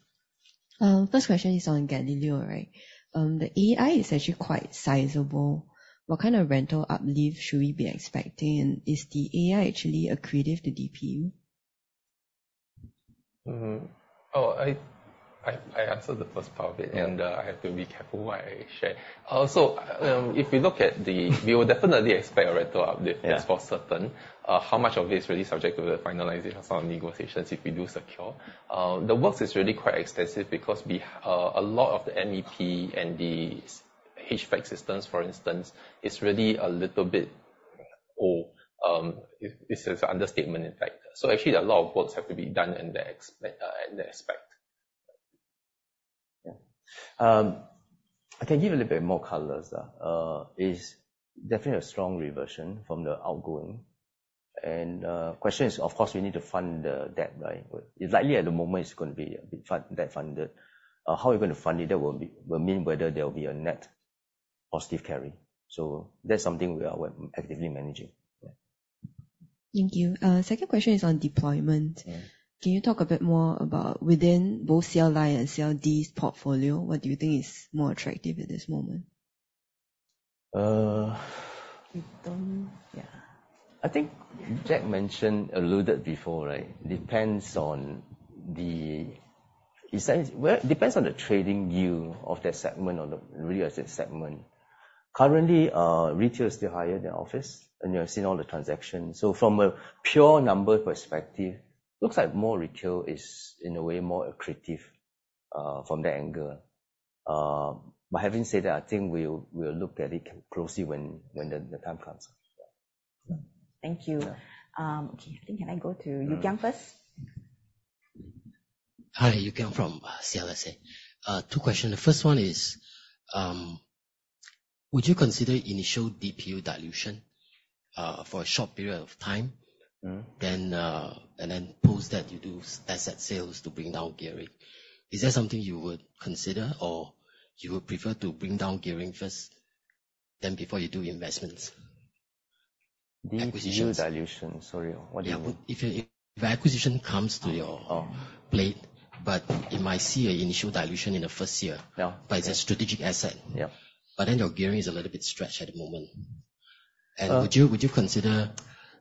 First question is on Gallileo. The AEI is actually quite sizable. What kind of rental uplift should we be expecting? Is the AEI actually accretive to DPU? I answered the first part of it. Yeah. I have to be careful what I share. If we look at the We will definitely expect rental uplift. Yes That's for certain. How much of it is really subject to the finalizing of some negotiations if we do secure. The work is really quite extensive because a lot of the MEP and the HVAC systems, for instance, is really a little bit old. It's an understatement, in fact. Actually, a lot of works have to be done in that aspect. Yeah. I can give a little bit more colors. It's definitely a strong reversion from the outgoing. Question is, of course, we need to fund the debt, right? It's likely at the moment it's going to be debt-funded. How we're going to fund it will mean whether there will be a net positive carry. That's something we are actively managing. Yeah. Thank you. Second question is on deployment. Yeah. Can you talk a bit more about within both CLI and CLD's portfolio, what do you think is more attractive at this moment? We've done, yeah. I think Jacqueline mentioned, alluded before, right? Depends on the trading view of that segment or the real estate segment. Currently, retail is still higher than office, and you have seen all the transactions. From a pure number perspective, looks like more retail is in a way more accretive from that angle. Having said that, I think we'll look at it closely when the time comes. Yeah. Thank you. Yeah. Can I go to Yew Kiang first? Hi, Yew Kiang from CLSA. Two questions. The first one is, would you consider initial DPU dilution for a short period of time, post that you do asset sales to bring down gearing? Is that something you would consider or you would prefer to bring down gearing first before you do investments? Acquisitions. DPU dilution. Sorry, what do you mean? Yeah. If acquisition comes to your plate, it might see an initial dilution in the first year. Yeah. It's a strategic asset. Yeah. Your gearing is a little bit stretched at the moment. Would you consider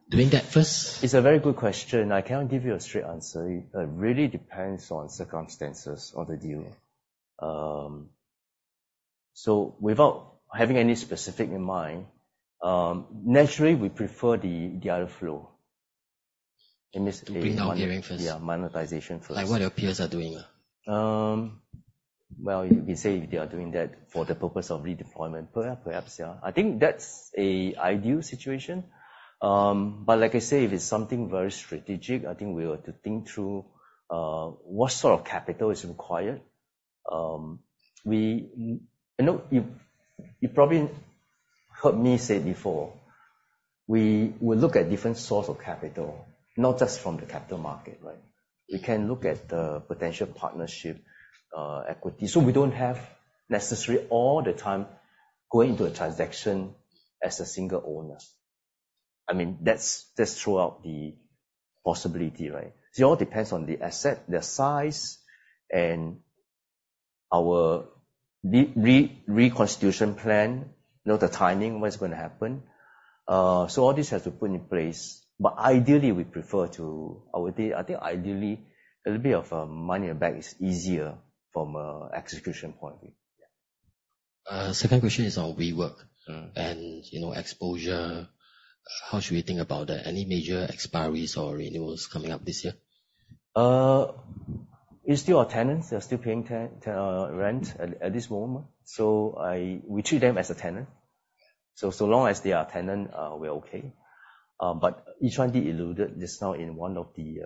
doing that first? It's a very good question. I cannot give you a straight answer. It really depends on circumstances of the deal. Without having any specific in mind, naturally, we prefer the other flow. Initially. To bring down gearing first. Yeah, monetization first. Like what your peers are doing. You can say they are doing that for the purpose of redeployment. Perhaps. I think that's a ideal situation. Like I said, if it's something very strategic, I think we ought to think through what sort of capital is required. You probably heard me say before, we will look at different source of capital, not just from the capital market, right? We can look at the potential partnership equity. We don't have necessary all the time go into a transaction as a single owner. That's throughout the possibility, right? It all depends on the asset, the size, and our reconstitution plan, the timing, what's going to happen. All this has to put in place. Ideally, we prefer to I would say, I think ideally, a little bit of money aback is easier from a execution point of view. Second question is on WeWork. Exposure. How should we think about that? Any major expiries or renewals coming up this year? It's still our tenants. They're still paying rent at this moment. We treat them as a tenant. So long as they are tenant, we're okay. Yi Zhuan Lee alluded this now in one of the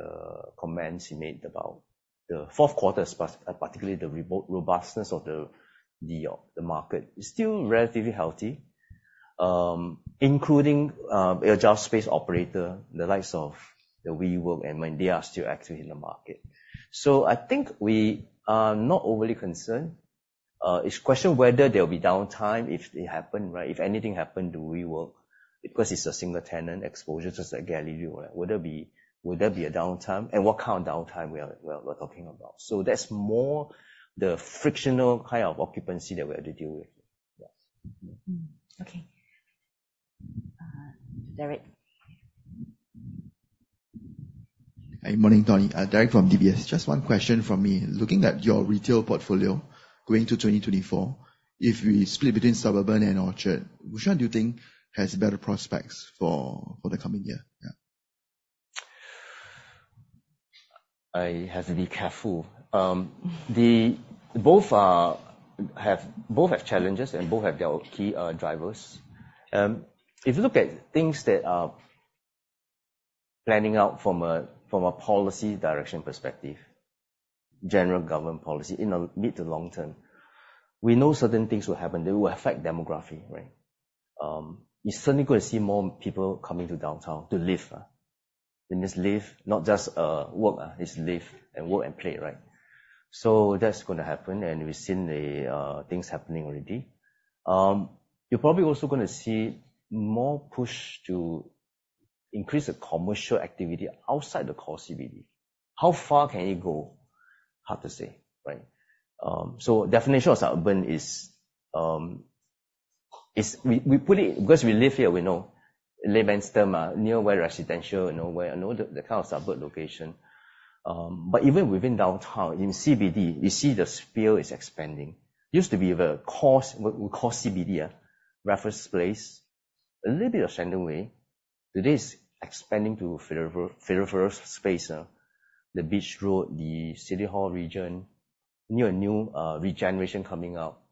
comments he made about the fourth quarter, particularly the robustness of the market. It's still relatively healthy, including agile space operator, the likes of the WeWork, they are still active in the market. I think we are not overly concerned. It's question whether there'll be downtime if they happen, right? If anything happen to WeWork, because it's a single tenant exposure, just like Gallileo. Would there be a downtime? What kind of downtime we're talking about. That's more the frictional kind of occupancy that we have to deal with. Okay, Derek. Good morning, Tony. Derek from DBS. Just one question from me. Looking at your retail portfolio going to 2024, if we split between suburban and Orchard, which one do you think has better prospects for the coming year? Yeah. I have to be careful. Both have challenges and both have their key drivers. If you look at things that are planning out from a policy direction perspective, general government policy in the mid to long term. We know certain things will happen. They will affect demography, right? You're certainly going to see more people coming to downtown to live. They must live, not just work. It's live and work and play, right? That's going to happen, and we've seen things happening already. You're probably also going to see more push to increase the commercial activity outside the core CBD. How far can it go? Hard to say, right? The definition of suburban is, because we live here, we know. Layman's term, near where residential, the kind of suburb location. Even within downtown, in CBD, you see the sphere is expanding. Used to be we call CBD, Raffles Place, a little bit of Shenton Way. Today it's expanding to peripheral space. The Beach Road, the City Hall region, near new regeneration coming up.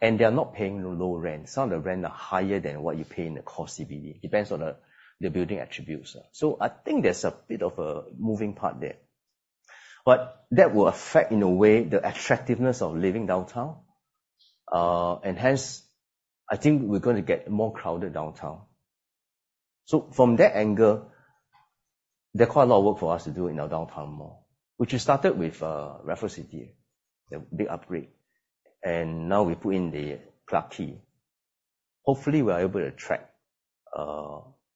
They are not paying low rent. Some of the rent are higher than what you pay in the core CBD. Depends on the building attributes. I think there's a bit of a moving part there. That will affect, in a way, the attractiveness of living downtown. Hence, I think we're going to get more crowded downtown. From that angle, there's quite a lot of work for us to do in our downtown mall. Which we started with Raffles City, the big upgrade, and now we put in the Clarke Quay. Hopefully, we are able to attract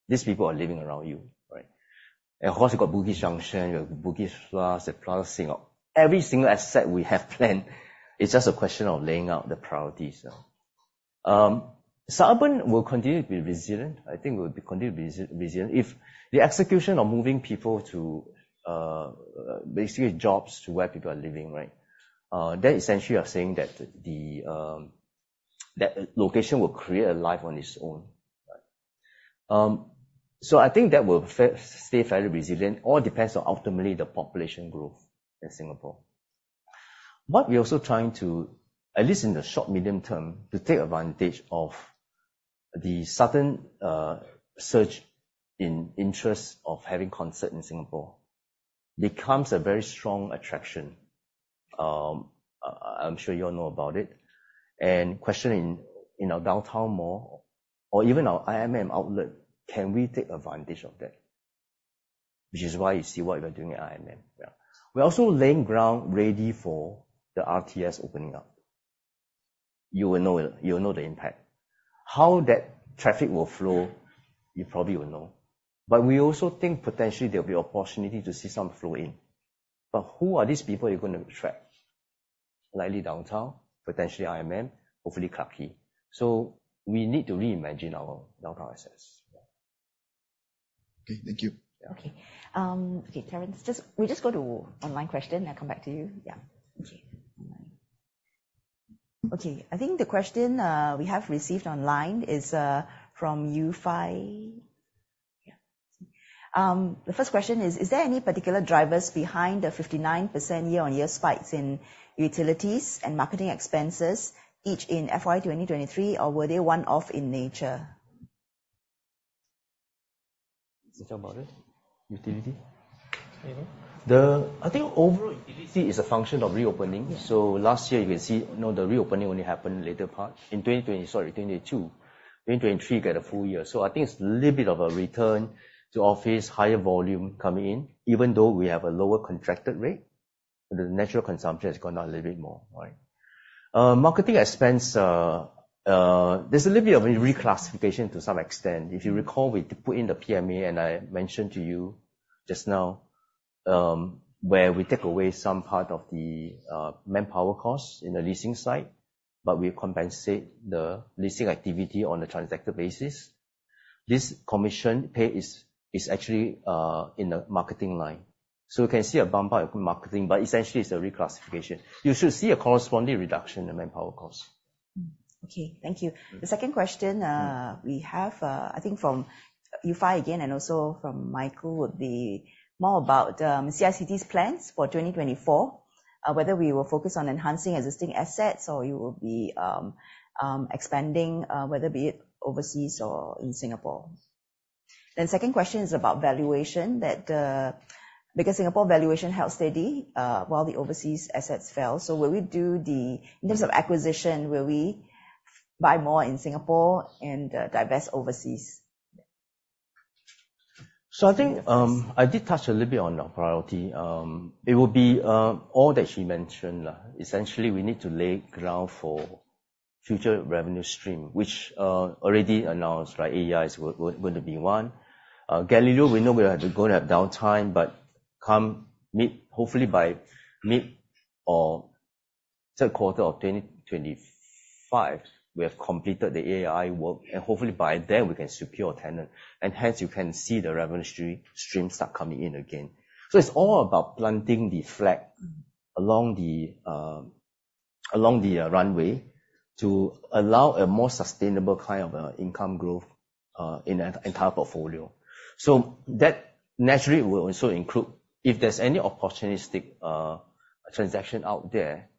these people who are living around you, right? Of course, you have Bugis Junction, you have Bugis+, the Plaza Singapore. Every single asset we have planned, it is just a question of laying out the priorities. Suburban will continue to be resilient. I think it will continue to be resilient. If the execution of moving people to, basically jobs to where people are living, right? That essentially are saying that location will create a life on its own. Right. I think that will stay fairly resilient. All depends on ultimately the population growth in Singapore. What we are also trying to, at least in the short, medium term, to take advantage of the sudden surge in interest of having concert in Singapore. Becomes a very strong attraction. I am sure you all know about it. Questioning in our downtown mall or even our IMM outlet, can we take advantage of that? Which is why you see what we are doing at IMM. Yeah. We are also laying ground ready for the RTS opening up. You will know the impact. How that traffic will flow, you probably will know. We also think potentially there will be opportunity to see some flow in. Who are these people you are going to attract? Likely downtown, potentially IMM, hopefully Clarke Quay. We need to reimagine our downtown assets. Yeah. Okay. Thank you. Okay. Okay, Terence, we just go to online question, then come back to you. Yeah. Okay. Online. Okay, I think the question we have received online is from Yu Fi. Yeah. The first question is, "Is there any particular drivers behind the 59% year-on-year spikes in utilities and marketing expenses, each in FY 2023, or were they one-off in nature? You want to talk about it? Utility? You know. I think overall, utility is a function of reopening. Last year, you can see the reopening only happened later part. In 2022. 2023, you get a full year. I think it's a little bit of a return to office, higher volume coming in, even though we have a lower contracted rate, the natural consumption has gone up a little bit more, right? Marketing expense, there's a little bit of a reclassification to some extent. If you recall, we put in the PMA, and I mentioned to you just now, where we take away some part of the manpower cost in the leasing side, but we compensate the leasing activity on the transactor basis. This commission pay is actually in the marketing line. We can see a bump up in marketing, but essentially it's a reclassification. You should see a corresponding reduction in manpower cost. Okay. Thank you. The second question we have, I think from Yu Fi again, and also from Michael, would be more about CICT's plans for 2024. Whether we will focus on enhancing existing assets or you will be expanding, whether be it overseas or in Singapore. Second question is about valuation that because Singapore valuation held steady while the overseas assets fell. In terms of acquisition, will we buy more in Singapore and divest overseas? I think I did touch a little bit on our priority. It will be all that she mentioned. Essentially, we need to lay ground for future revenue stream, which already announced, right? AEI is going to be one. Gallileo, we know we are going to have downtime, but hopefully by mid or second quarter of 2025, we have completed the AEI work, and hopefully by then we can secure a tenant, and hence you can see the revenue stream start coming in again. It's all about planting the flag along the runway to allow a more sustainable kind of income growth in our entire portfolio. That naturally will also include if there's any opportunistic transaction out there.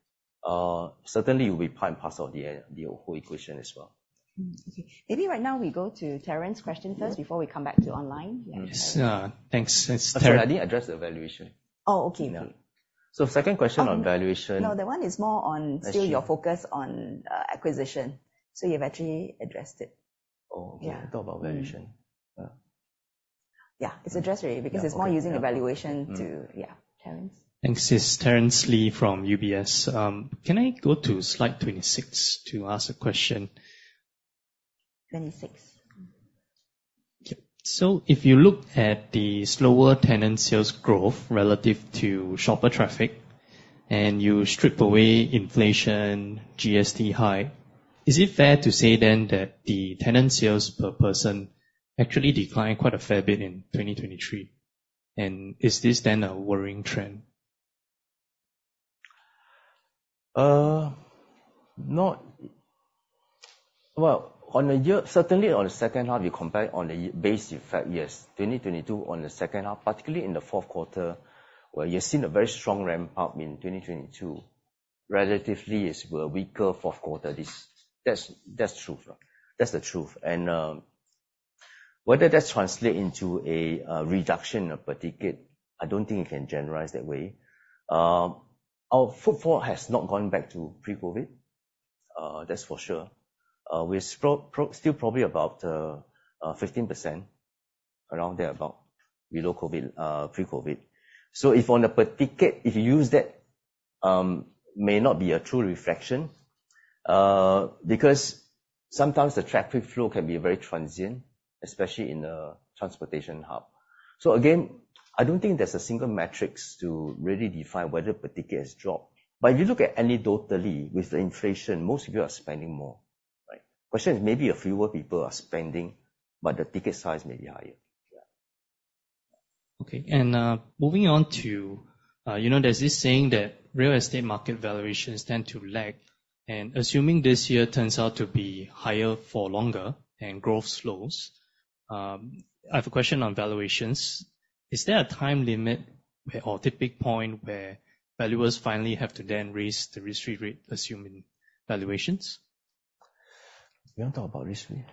Certainly it will be part and parcel of the whole equation as well. Okay. Maybe right now we go to Terence question first before we come back to online. Yeah. Yes. Thanks. It's Terence. I think I addressed the valuation. Oh, okay. Yeah. second question on valuation- No, that one is more on- That's it ...still your focus on acquisition. you've actually addressed it. Oh, okay. Yeah. Talk about valuation. Yeah. Yeah. It's addressed already because it's more using the valuation to. Terence. Thanks. It's Terence Lee from UBS. Can I go to slide 26 to ask a question? 26. Yep. If you look at the slower tenant sales growth relative to shopper traffic, and you strip away inflation, GST hike, is it fair to say then that the tenant sales per person actually declined quite a fair bit in 2023? Is this then a worrying trend? Well, certainly on the second half you compare on a base effect, yes. 2022 on the second half, particularly in the fourth quarter, where you have seen a very strong ramp up in 2022, relatively it's a weaker fourth quarter. That's the truth. Whether that translate into a reduction of per ticket, I don't think you can generalize that way. Our footfall has not gone back to pre-COVID, that's for sure. We're still probably about 15%, around there about, below pre-COVID. If on a per ticket, if you use that, may not be a true reflection, because sometimes the traffic flow can be very transient, especially in a transportation hub. Again, I don't think there's a single metrics to really define whether per ticket has dropped. If you look at anecdotally with the inflation, most people are spending more, right? Question is maybe a fewer people are spending, the ticket size may be higher. Yeah. Okay, moving on to, there's this saying that real estate market valuations tend to lag. Assuming this year turns out to be higher for longer and growth slows, I have a question on valuations. Is there a time limit or tipping point where valuers finally have to then raise the risk-free rate, assuming valuations? You want to talk about risk rate?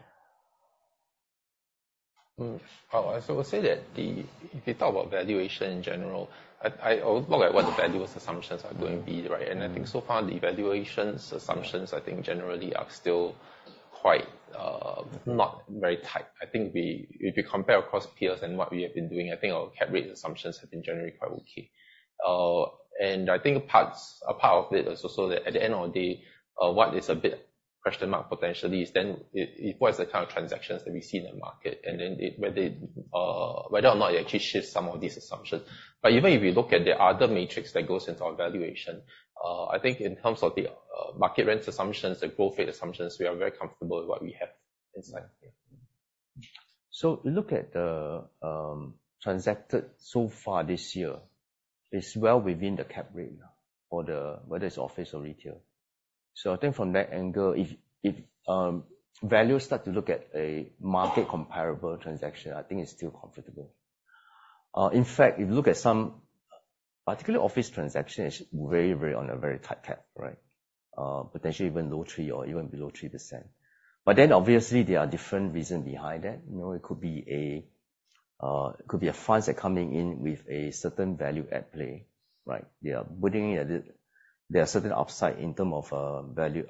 I'll say that if you talk about valuation in general, I always look at what the valuer's assumptions are going to be, right? I think so far the valuations assumptions, I think generally are still quite, not very tight. I think if you compare across peers and what we have been doing, I think our cap rate assumptions have been generally quite okay. I think a part of it is also that at the end of the day, what is a bit question mark potentially is what is the kind of transactions that we see in the market, and then whether or not it actually shifts some of these assumptions. Even if you look at the other metrics that goes into our valuation, I think in terms of the market rents assumptions, the growth rate assumptions, we are very comfortable with what we have inside here. If you look at the transacted so far this year, it's well within the cap rate now. Whether it's office or retail. I think from that angle, if valuers start to look at a market comparable transaction, I think it's still comfortable. In fact, if you look at some particularly office transaction, it's on a very tight cap, right? Potentially even low three or even below 3%. Obviously there are different reason behind that. It could be a fund that coming in with a certain value add play, right? They are putting in a certain upside in term of value,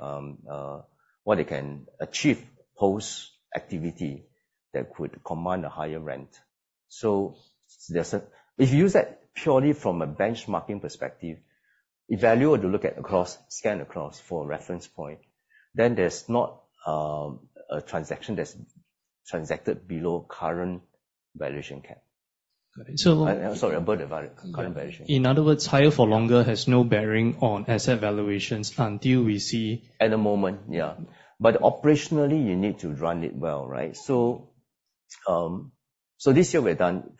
what they can achieve post activity that could command a higher rent. If you use that purely from a benchmarking perspective, a valuer would look at across, scan across for a reference point, then there's not a transaction that's transacted below current valuation cap. Got it. I'm sorry, above the current valuation. In other words, higher for longer has no bearing on asset valuations until we see. At the moment, yeah. Operationally, you need to run it well, right? This year we're done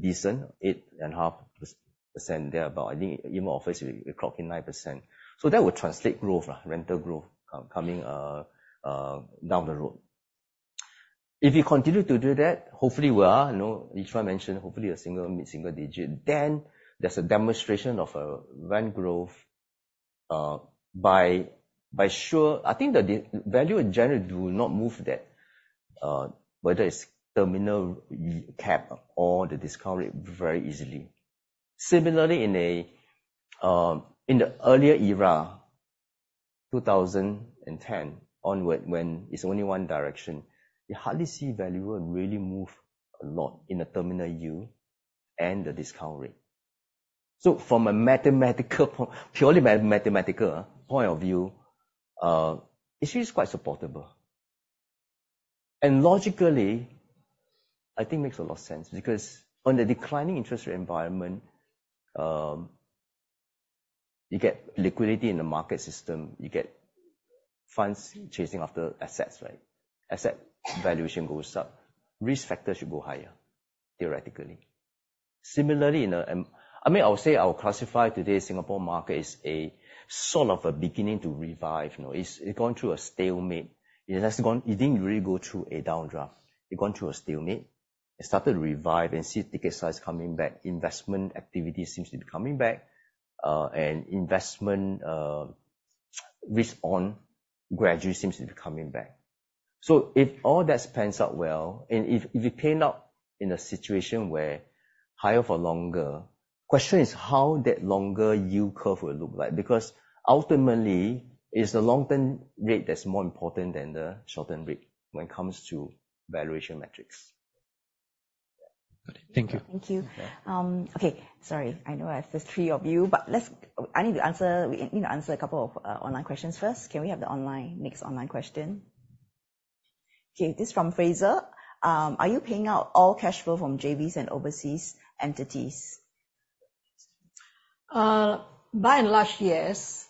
decent, 8.5% thereabout. I think even office, we clocking 9%. That would translate growth, rental growth, coming down the road. If you continue to do that, hopefully we are. Yi Shuai mentioned hopefully a mid-single digit, there's a demonstration of a rent growth. By sure, I think the valuer in general do not move that, whether it's terminal cap or the discount rate very easily. Similarly, in the earlier era, 2010 onward when it's only one direction, you hardly see valuer really move a lot in a terminal year and the discount rate. From a purely mathematical point of view, it's really quite supportable. Logically, I think makes a lot of sense because on the declining interest rate environment, you get liquidity in the market system, you get funds chasing after assets, right? Asset valuation goes up. Risk factor should go higher, theoretically. Similarly in a I would say, I would classify today's Singapore market is a sort of a beginning to revive. It's gone through a stalemate. It didn't really go through a downdraft. It gone through a stalemate. It started to revive and see ticket size coming back. Investment activity seems to be coming back, and investment risk on gradually seems to be coming back. If all that pans out well, and if you pan out in a situation where higher for longer, question is how that longer yield curve will look like. Ultimately, it's the long-term rate that's more important than the short-term rate when it comes to valuation metrics. Good. Thank you. Thank you. Sorry. I know there's three of you. We need to answer a couple of online questions first. Can we have the next online question? This from Fraser. Are you paying out all cashflow from JVs and overseas entities? By and large, yes.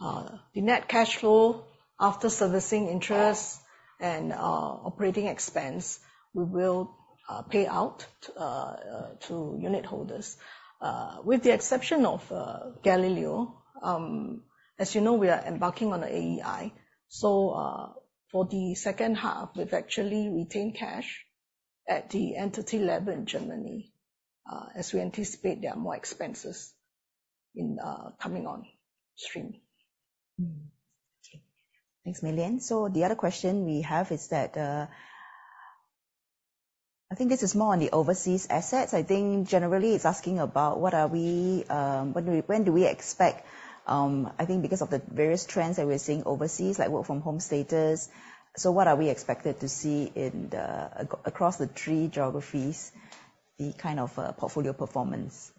The net cash flow, after servicing interest and operating expense, we will pay out to unit holders. With the exception of Gallileo. As you know, we are embarking on an AEI. For the second half, we've actually retained cash at the entity level in Germany. As we anticipate there are more expenses coming on stream. Okay. Thanks, Mei Lian. The other question we have is that I think this is more on the overseas assets. I think generally it's asking about when do we expect, I think because of the various trends that we're seeing overseas, like work from home status. What are we expected to see across the three geographies, the kind of portfolio performance?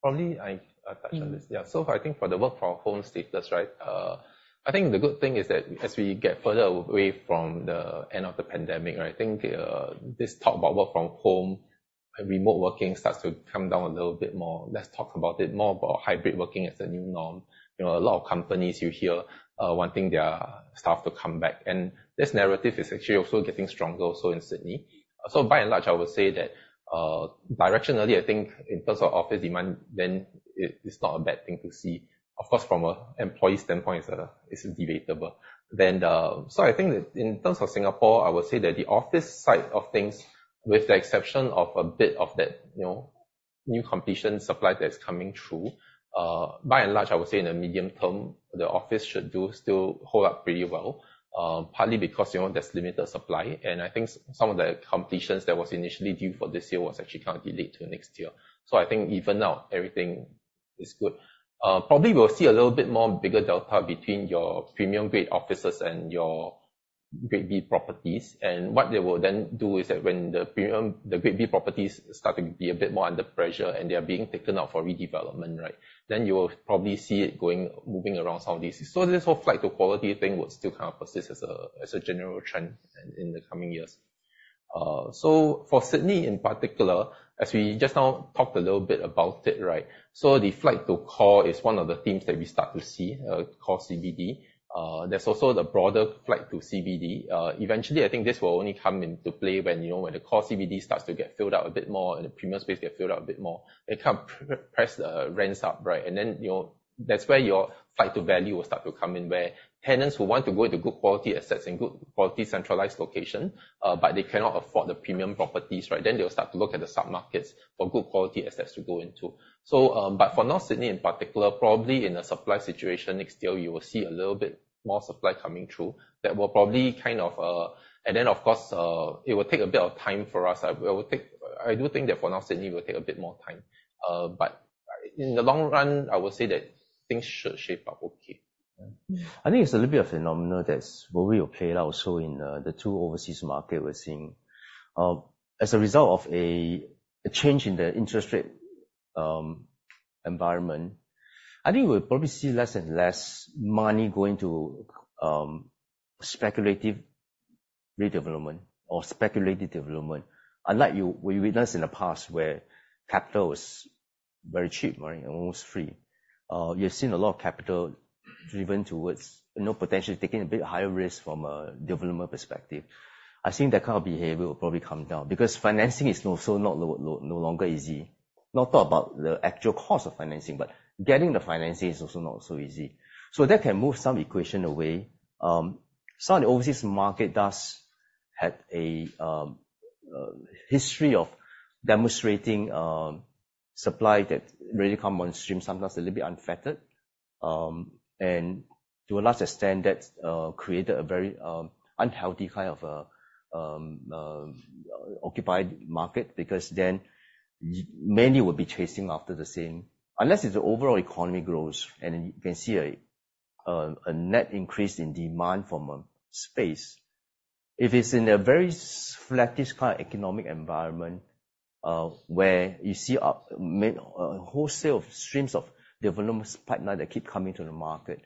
Probably I touch on this. Yeah. So far, I think for the work from home status, right? I think the good thing is that as we get further away from the end of the pandemic, I think this talk about work from home and remote working starts to come down a little bit more. Let's talk about it more about hybrid working as a new norm. A lot of companies you hear wanting their staff to come back, and this narrative is actually also getting stronger also in Sydney. By and large, I would say that directionally, I think in terms of office demand, then it's not a bad thing to see. Of course, from an employee standpoint, this is debatable. I think that in terms of Singapore, I would say that the office side of things, with the exception of a bit of that new completion supply that's coming through, by and large, I would say in the medium term, the office should still hold up pretty well. Partly because there's limited supply, and I think some of the completions that was initially due for this year was actually kind of delayed to next year. I think even now everything is good. Probably we'll see a little bit more bigger delta between your premium grade offices and your grade B properties. And what they will then do is that when the grade B properties start to be a bit more under pressure and they are being taken out for redevelopment, right, then you will probably see it moving around some of these. This whole flight to quality thing would still kind of persist as a general trend in the coming years. For Sydney in particular, as we just now talked a little bit about it, right? The flight to core is one of the themes that we start to see, core CBD. There's also the broader flight to CBD. Eventually, I think this will only come into play when the core CBD starts to get filled out a bit more and the premium space get filled out a bit more. They can press the rents up, right? That's where your flight to value will start to come in, where tenants who want to go into good quality assets and good quality centralized location, but they cannot afford the premium properties, right, then they'll start to look at the submarkets for good quality assets to go into. For now, Sydney in particular, probably in a supply situation next year, you will see a little bit more supply coming through. Of course, it will take a bit of time for us. I do think that for now, Sydney will take a bit more time. In the long run, I would say that things should shape up okay. I think it's a little bit of a phenomenon that's probably played out also in the two overseas market we're seeing. As a result of a change in the interest rate environment, I think we'll probably see less and less money going to speculative redevelopment or speculative development. Unlike we witnessed in the past, where capital was very cheap, almost free. You're seeing a lot of capital driven towards potentially taking a bit higher risk from a developer perspective. I think that kind of behavior will probably come down because financing is also no longer easy. Not talk about the actual cost of financing, but getting the financing is also not so easy. That can move some equation away. Some of the overseas market does have a history of demonstrating supply that really come on stream sometimes a little bit unfettered. To a large extent, that created a very unhealthy kind of occupied market because then many will be chasing after the same. Unless if the overall economy grows and you can see a net increase in demand for more space. If it's in a very flattish kind of economic environment, where you see a wholesale of streams of development pipeline that keep coming to the market,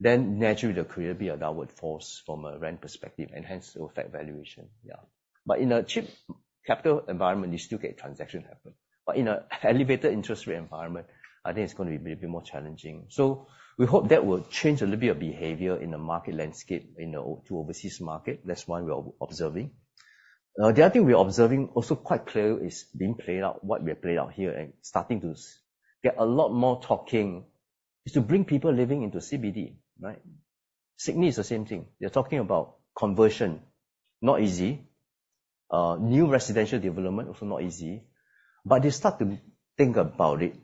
then naturally there could be a downward force from a rent perspective and hence it will affect valuation. Yeah. In a cheap capital environment, you still get transaction happen. In an elevated interest rate environment, I think it's going to be a bit more challenging. We hope that will change a little bit of behavior in the market landscape in the two overseas market. That's one we are observing. The other thing we are observing also quite clearly is being played out, what we are playing out here and starting to get a lot more talking, is to bring people living into CBD, right? Sydney is the same thing. They're talking about conversion, not easy. New residential development, also not easy. They start to think about it.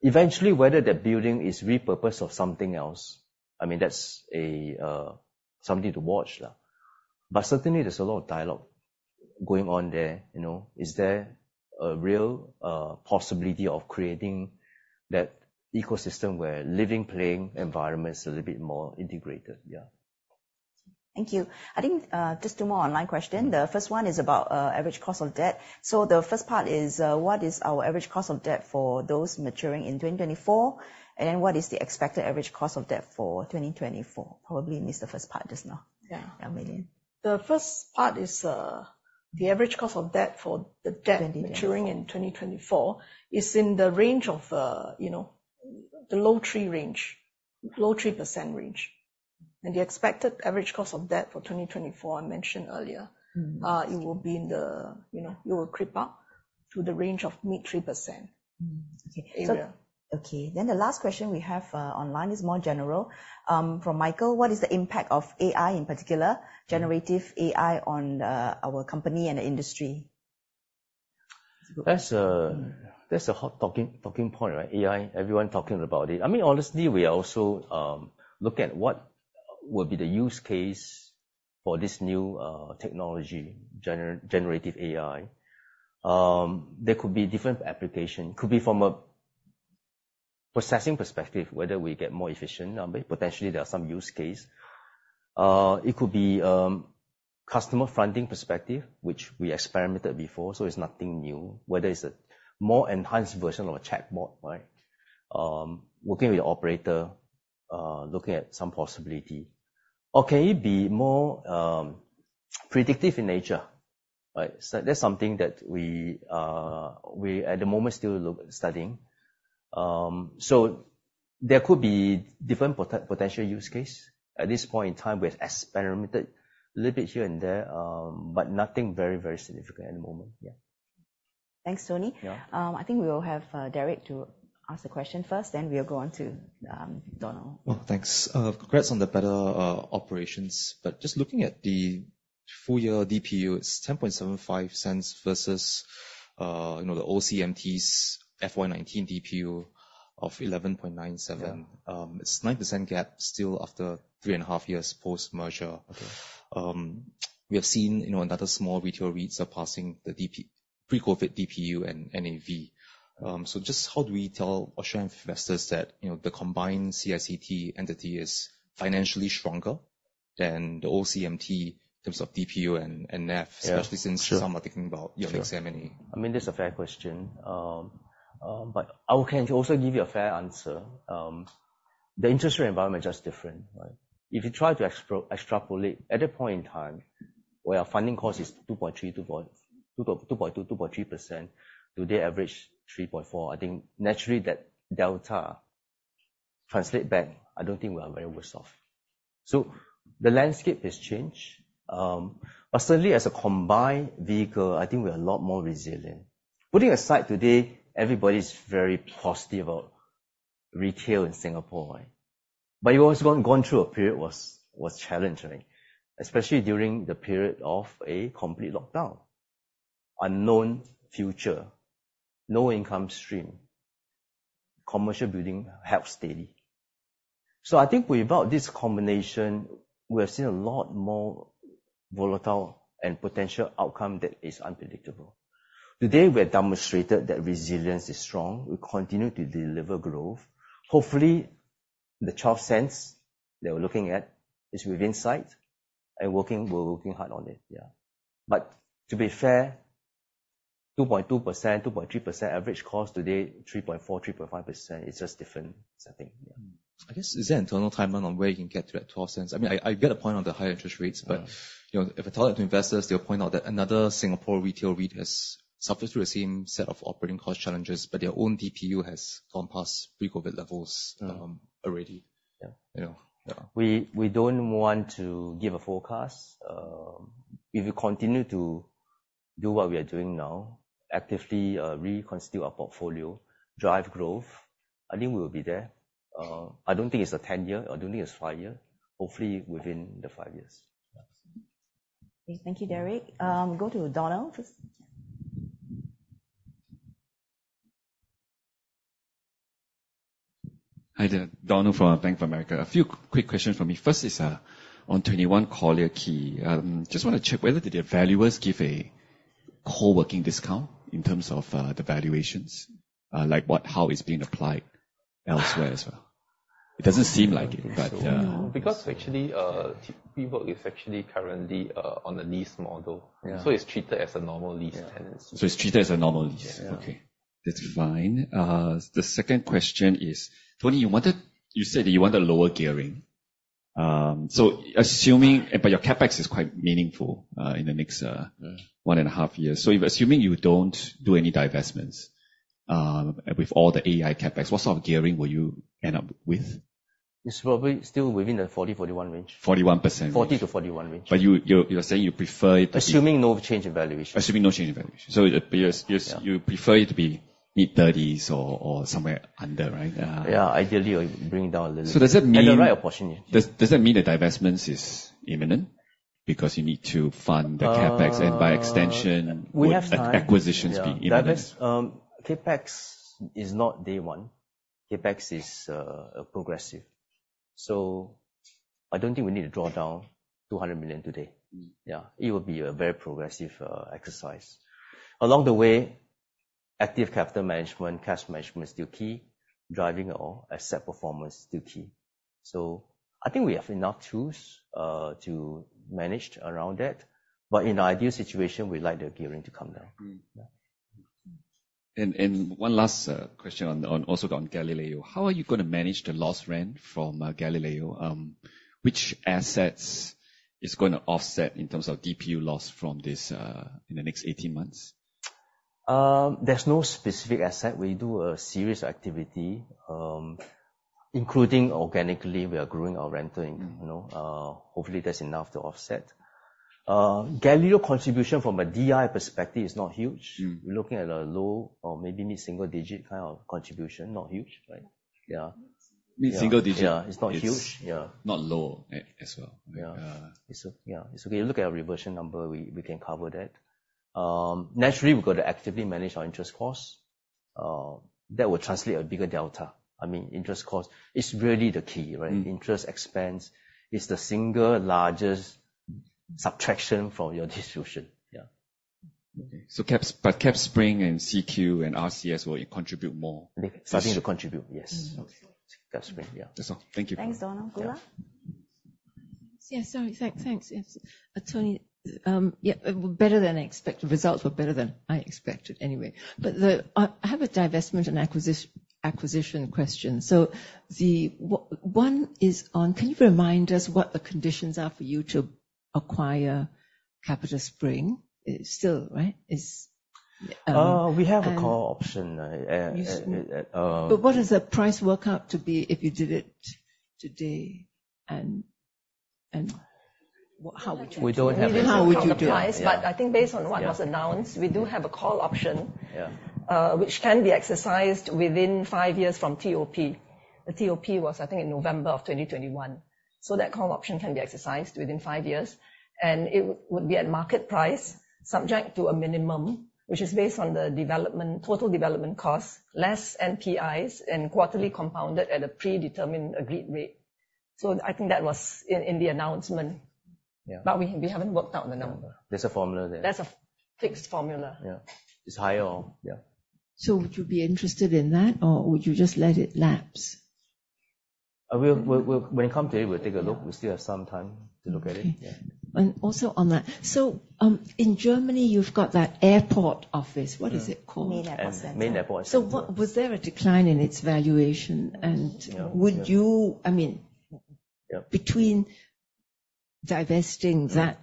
Eventually, whether the building is repurposed or something else, that's something to watch. Certainly, there's a lot of dialogue going on there. Is there a real possibility of creating that ecosystem where living, playing environment is a little bit more integrated? Yeah. Thank you. I think just two more online question. The first one is about average cost of debt. The first part is, what is our average cost of debt for those maturing in 2024? What is the expected average cost of debt for 2024? Probably missed the first part just now. Yeah. Wong Mei Lian. The first part is the average cost of debt for the debt maturing in 2024 is in the range of the low three range, low 3% range. The expected average cost of debt for 2024, I mentioned earlier. It will creep up to the range of mid 3%. Mm-hmm. Okay. Area. Okay. The last question we have online is more general. From Michael, what is the impact of AEI, in particular generative AI on our company and the industry? That's a hot talking point, right? AEI, everyone talking about it. Honestly, we are also looking at what will be the use case for this new technology, generative AI. There could be different application. Could be from a processing perspective, whether we get more efficient. Potentially, there are some use case. It could be customer funding perspective, which we experimented before, so it's nothing new. Whether it's a more enhanced version of a chatbot. Working with the operator, looking at some possibility. Or can it be more predictive in nature? That's something that we, at the moment, still studying. There could be different potential use case. At this point in time, we've experimented a little bit here and there, but nothing very significant at the moment. Yeah. Thanks, Tony. Yeah. I think we will have Derek to ask a question first, then we will go on to Donald. Well, thanks. Congrats on the better operations, but just looking at the full year DPU, it is SGD 0.1075 versus the CMT's FY 2019 DPU of 0.1197. Yeah. It is a 9% gap still after three and a half years post-merger. Okay. We have seen another small retail REIT surpassing the pre-COVID DPU and NAV. Just how do we tell Australian investors that the combined CICT entity is financially stronger than the CMT in terms of DPU and NAV? Yeah, sure. Especially since some are thinking about unit selling. Sure. That's a fair question. I can also give you a fair answer. The interest rate environment's just different, right? If you try to extrapolate at a point in time where our funding cost is 2.2%, 2.3% today average 3.4%, I think naturally that delta translate back, I don't think we are very worse off. The landscape has changed. Certainly as a combined vehicle, I think we're a lot more resilient. Putting aside today, everybody's very positive about retail in Singapore. You've also gone through a period what's challenging, especially during the period of a complete lockdown. Unknown future, no income stream. Commercial building held steady. I think without this combination, we have seen a lot more volatile and potential outcome that is unpredictable. Today, we have demonstrated that resilience is strong. We continue to deliver growth. Hopefully, the 0.12 that we're looking at is within sight, and we're working hard on it. Yeah. To be fair, 2.2%, 2.3% average cost today, 3.4%, 3.5%, it's just different setting. Yeah. I guess, is there an internal timeline on where you can get to that 0.12? I get the point on the higher interest rates, but if I talk to investors, they'll point out that another Singapore retail REIT has suffered through the same set of operating cost challenges, but their own DPU has gone past pre-COVID levels already. Yeah. You know? Yeah. We don't want to give a forecast. If we continue to do what we are doing now, actively reconstitute our portfolio, drive growth, I think we'll be there. I don't think it's a 10-year, I don't think it's five-year. Hopefully within the five years. Yeah. Okay. Thank you, Derek. Go to Donald first. Hi there, Donald from Bank of America. A few quick questions from me. First is on 21 Collyer Quay. Just want to check whether did your valuers give a co-working discount in terms of the valuations? Like how it's being applied elsewhere as well. It doesn't seem like it, but. WeWork is actually currently on a lease model. Yeah. It's treated as a normal lease tenant. It's treated as a normal lease. Yeah. Okay. That's fine. The second question is, Tony, you said that you want a lower gearing. Your CapEx is quite meaningful in the next one and a half years. Assuming you don't do any divestments with all the AEI CapEx, what sort of gearing will you end up with? It's probably still within the 40%, 41% range. 41% range. 40%-41% range. You're saying you prefer it to be. Assuming no change in valuation. Assuming no change in valuation. You prefer it to be mid-30s or somewhere under, right? Yeah. Ideally, bring it down a little bit. Does that mean? At the right apportion, yeah. Does that mean the divestments is imminent because you need to fund the CapEx? We have time. ...acquisitions being imminent? Yeah. Capex is not day one. Capex is progressive. I don't think we need to draw down 200 million today. Yeah. It would be a very progressive exercise. Along the way, active capital management, cash management is still key, driving our asset performance is still key. I think we have enough tools to manage around that. In ideal situation, we'd like the gearing to come down. Yeah. One last question also on Gallileo. How are you going to manage the lost rent from Gallileo? Which assets is going to offset in terms of DPU loss from this in the next 18 months? There's no specific asset. We do a serious activity, including organically we are growing our rental income. Hopefully that's enough to offset. Gallileo contribution from a DPU perspective is not huge. We're looking at a low or maybe mid-single digit kind of contribution. Not huge, right? Yeah. Mid-single digit. Yeah. It's not huge. Yeah. Not low as well. Yeah. Yeah. It's okay. You look at our reversion number, we can cover that. Naturally, we've got to actively manage our interest costs. That will translate a bigger delta. Interest cost is really the key, right? Interest expense is the single largest subtraction from your distribution. Yeah. Okay. CapitaSpring and CQ and RCS will contribute more. Starting to contribute, yes. Okay. CapitaSpring, yeah. That's all. Thank you. Thanks, Donald. Goola? Yeah. Sorry. Thanks. Yes. Tony, results were better than I expected anyway. I have a divestment and acquisition question. One is on, can you remind us what the conditions are for you to acquire CapitaSpring? It's still, right? We have a call option. Yeah. What is the price work out to be if you did it today, and how would you We don't. How would you do it? I think based on what was announced, we do have a call option. Yeah. Which can be exercised within five years from TOP. The TOP was, I think, in November of 2021. That call option can be exercised within five years, and it would be at market price subject to a minimum, which is based on the total development cost, less NPIs and quarterly compounded at a predetermined agreed rate. I think that was in the announcement. Yeah. We haven't worked out the number. There's a formula there. That's a fixed formula. Yeah. It's high all. Yeah. Would you be interested in that or would you just let it lapse? When it comes to it, we'll take a look. We still have some time to look at it. Yeah. Also on that, in Germany you've got that airport office. What is it called? Main Airport Center. Main Airport Center. Was there a decline in its valuation? Would you, between divesting that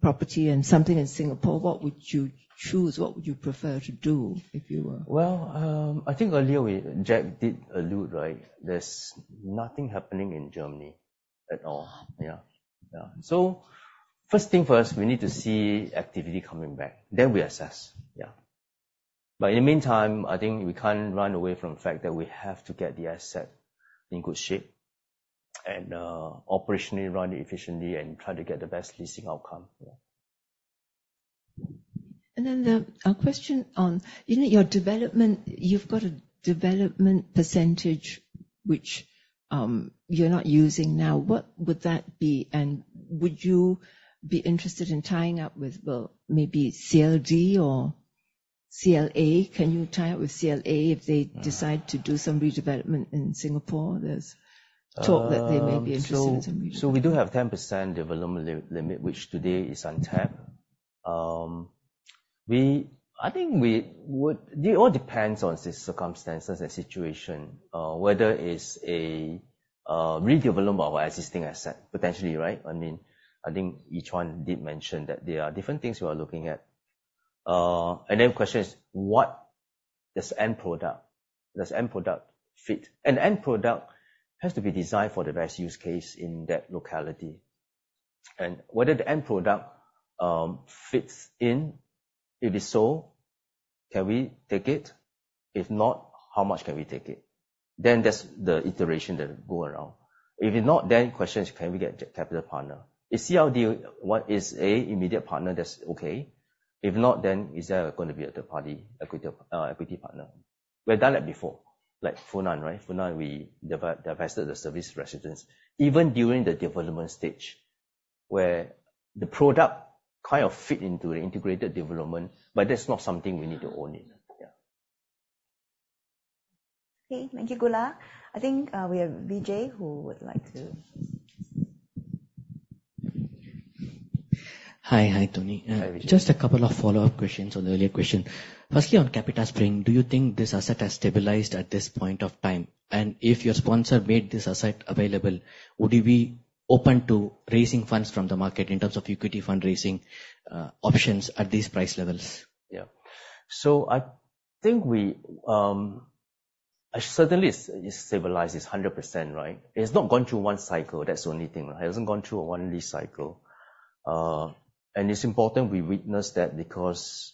property and something in Singapore, what would you choose? What would you prefer to do if you were? Well, I think earlier Jack did allude, right? There's nothing happening in Germany at all. Oh. Yeah. First thing first, we need to see activity coming back, then we assess. Yeah. In the meantime, I think we can't run away from the fact that we have to get the asset in good shape and operationally run it efficiently and try to get the best leasing outcome. Yeah. A question on, isn't it your development, you've got a development percentage which you're not using now. What would that be? Would you be interested in tying up with, well, maybe CLG or CLA? Can you tie up with CLA if they decide to do some redevelopment in Singapore? There's talk that they may be interested in some redevelopment. We do have 10% development limit, which today is untapped. It all depends on the circumstances and situation, whether it's a redevelopment of our existing asset, potentially, right? I think Lee Yi Zhuan did mention that there are different things we are looking at. Another question is, what does end product fit? An end product has to be designed for the best use case in that locality. Whether the end product fits in, if it's so, can we take it? If not, how much can we take it? There's the iteration that go around. Question is, can we get capital partner? Is CLD one, is a immediate partner that's okay. Is there going to be a third-party equity partner? We've done that before. Like Funan, right? Funan, we divested the serviced residence even during the development stage where the product kind of fit into the integrated development, but that's not something we need to own it. Yeah. Okay. Thank you, Goola. I think we have Vijay who would like to Hi. Hi, Tony. Hi, Vijay. Just a couple of follow-up questions on the earlier question. Firstly, on CapitaSpring, do you think this asset has stabilized at this point of time? If your sponsor made this asset available, would you be open to raising funds from the market in terms of equity fundraising options at these price levels? Yeah. I think it certainly is stabilized, it's 100%, right? It has not gone through one cycle, that's the only thing. It hasn't gone through one lease cycle. It's important we witness that because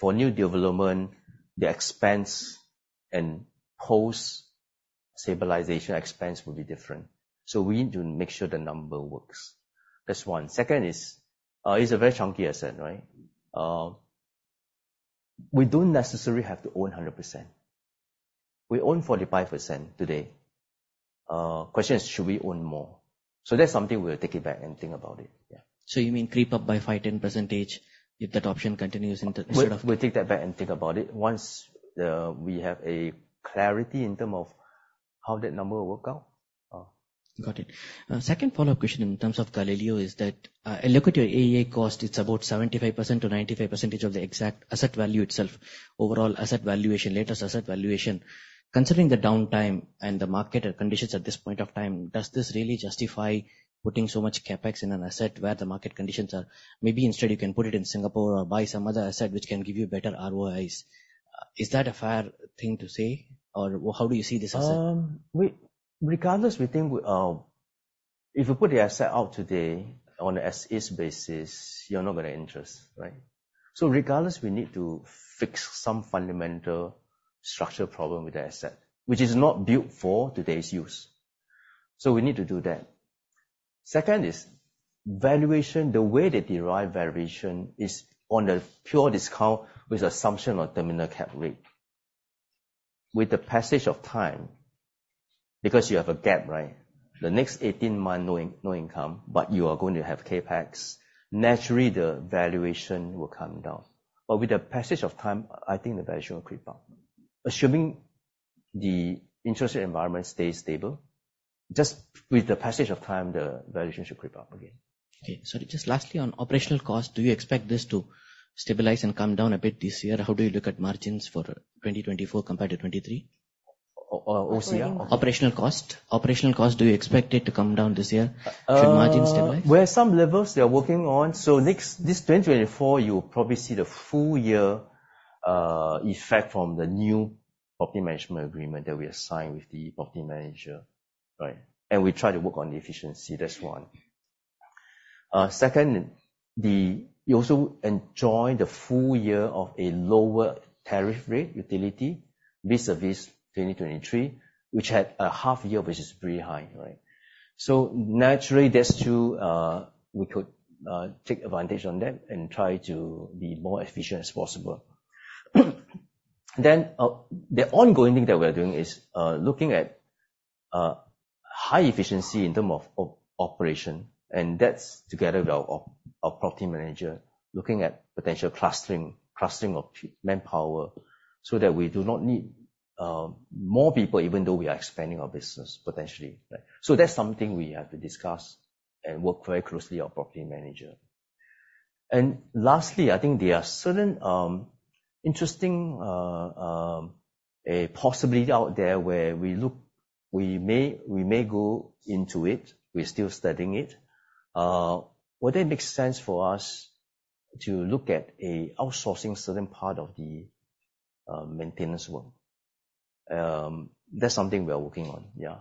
for new development, the expense and post-stabilization expense will be different. We need to make sure the number works. That's one. Second is, it's a very chunky asset, right? We don't necessarily have to own 100%. We own 45% today. Question is, should we own more? That's something we'll take it back and think about it. Yeah. You mean creep up by 5%, 10% if that option continues? We'll take that back and think about it. Once we have a clarity in terms of how that number will work out. Got it. Second follow-up question in terms of Gallileo is that, I look at your AEI cost, it's about 75%-95% of the exact asset value itself, overall asset valuation, latest asset valuation. Considering the downtime and the market conditions at this point of time, does this really justify putting so much CapEx in an asset where the market conditions are? Maybe instead you can put it in Singapore or buy some other asset which can give you better ROIs. Is that a fair thing to say, or how do you see this asset? Regardless, we think if we put the asset out today on an as is basis, you're not going to interest, right? Regardless, we need to fix some fundamental structural problem with the asset, which is not built for today's use. We need to do that. Second is valuation. The way they derive valuation is on a pure discount with assumption of terminal cap rate. With the passage of time, because you have a gap, right? The next 18 months, no income, but you are going to have CapEx. Naturally, the valuation will come down. With the passage of time, I think the valuation will creep up. Assuming the interest rate environment stays stable, just with the passage of time, the valuation should creep up again. Okay. Sorry, just lastly on operational cost, do you expect this to stabilize and come down a bit this year? How do you look at margins for 2024 compared to 2023? OCR? Operational cost. Do you expect it to come down this year? Should margins stabilize? Well, some levels they are working on. This 2024, you'll probably see the full year effect from the new property management agreement that we have signed with the property manager. Right. We try to work on the efficiency, that's one. Second, you also enjoy the full year of a lower tariff rate utility vis-à-vis 2023, which had a half year, which is pretty high, right? Naturally, that's two, we could take advantage on that and try to be more efficient as possible. The ongoing thing that we are doing is looking at high efficiency in terms of operation, and that's together with our property manager, looking at potential clustering of manpower so that we do not need more people, even though we are expanding our business, potentially. That's something we have to discuss and work very closely with our property manager. Lastly, I think there are certain interesting possibility out there where we look, we may go into it. We're still studying it. Whether it makes sense for us to look at outsourcing certain part of the maintenance work. That's something we are working on. Yeah.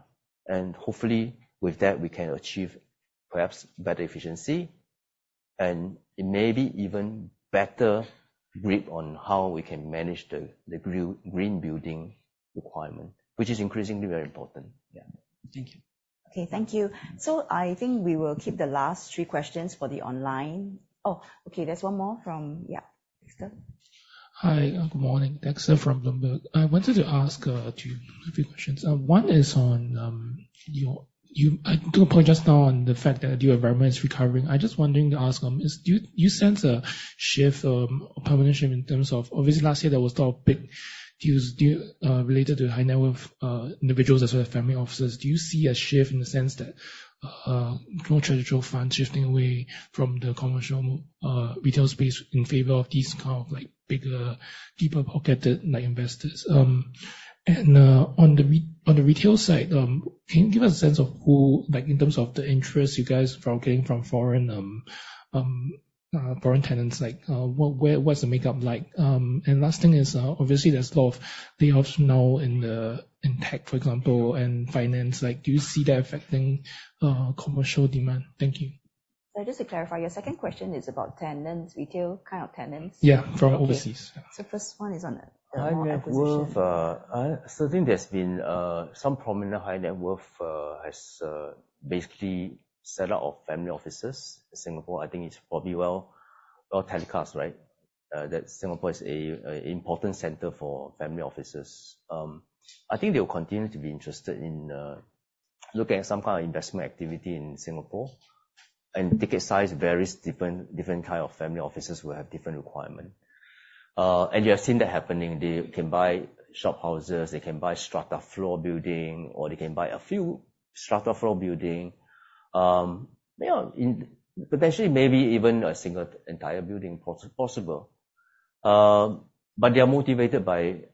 Hopefully with that we can achieve perhaps better efficiency and maybe even better grip on how we can manage the green building requirement, which is increasingly very important. Yeah. Thank you. Okay, thank you. I think we will keep the last three questions for the online. Okay, there's one more from Yeah, Dexter. Hi, good morning. Dexter from Bloomberg. I wanted to ask a few questions. One is on your point just now on the fact that the environment is recovering. I just wondering to ask, do you sense a prominent shift in terms of Obviously last year there was talk big deals related to high net worth individuals as well as family offices. Do you see a shift in the sense that more traditional funds shifting away from the commercial retail space in favor of these kind of bigger, deeper pocketed investors? On the retail side, can you give a sense of who, in terms of the interest you guys are getting from foreign tenants, what's the makeup like? Last thing is obviously there's a lot of layoffs now in tech, for example, and finance. Do you see that affecting commercial demand? Thank you. Just to clarify, your second question is about tenants, retail kind of tenants? Yeah, from overseas. Okay. First one is on the high net worth. High net worth. I think there's been some prominent high net worth as basically seller of family offices. Singapore, I think it's probably well telecast, right? That Singapore is a important center for family offices. I think they will continue to be interested in looking at some kind of investment activity in Singapore. Ticket size varies, different kind of family offices will have different requirement. You have seen that happening. They can buy shop houses, they can buy strata floor building, or they can buy a few strata floor building. Potentially maybe even a single entire building possible. They are motivated by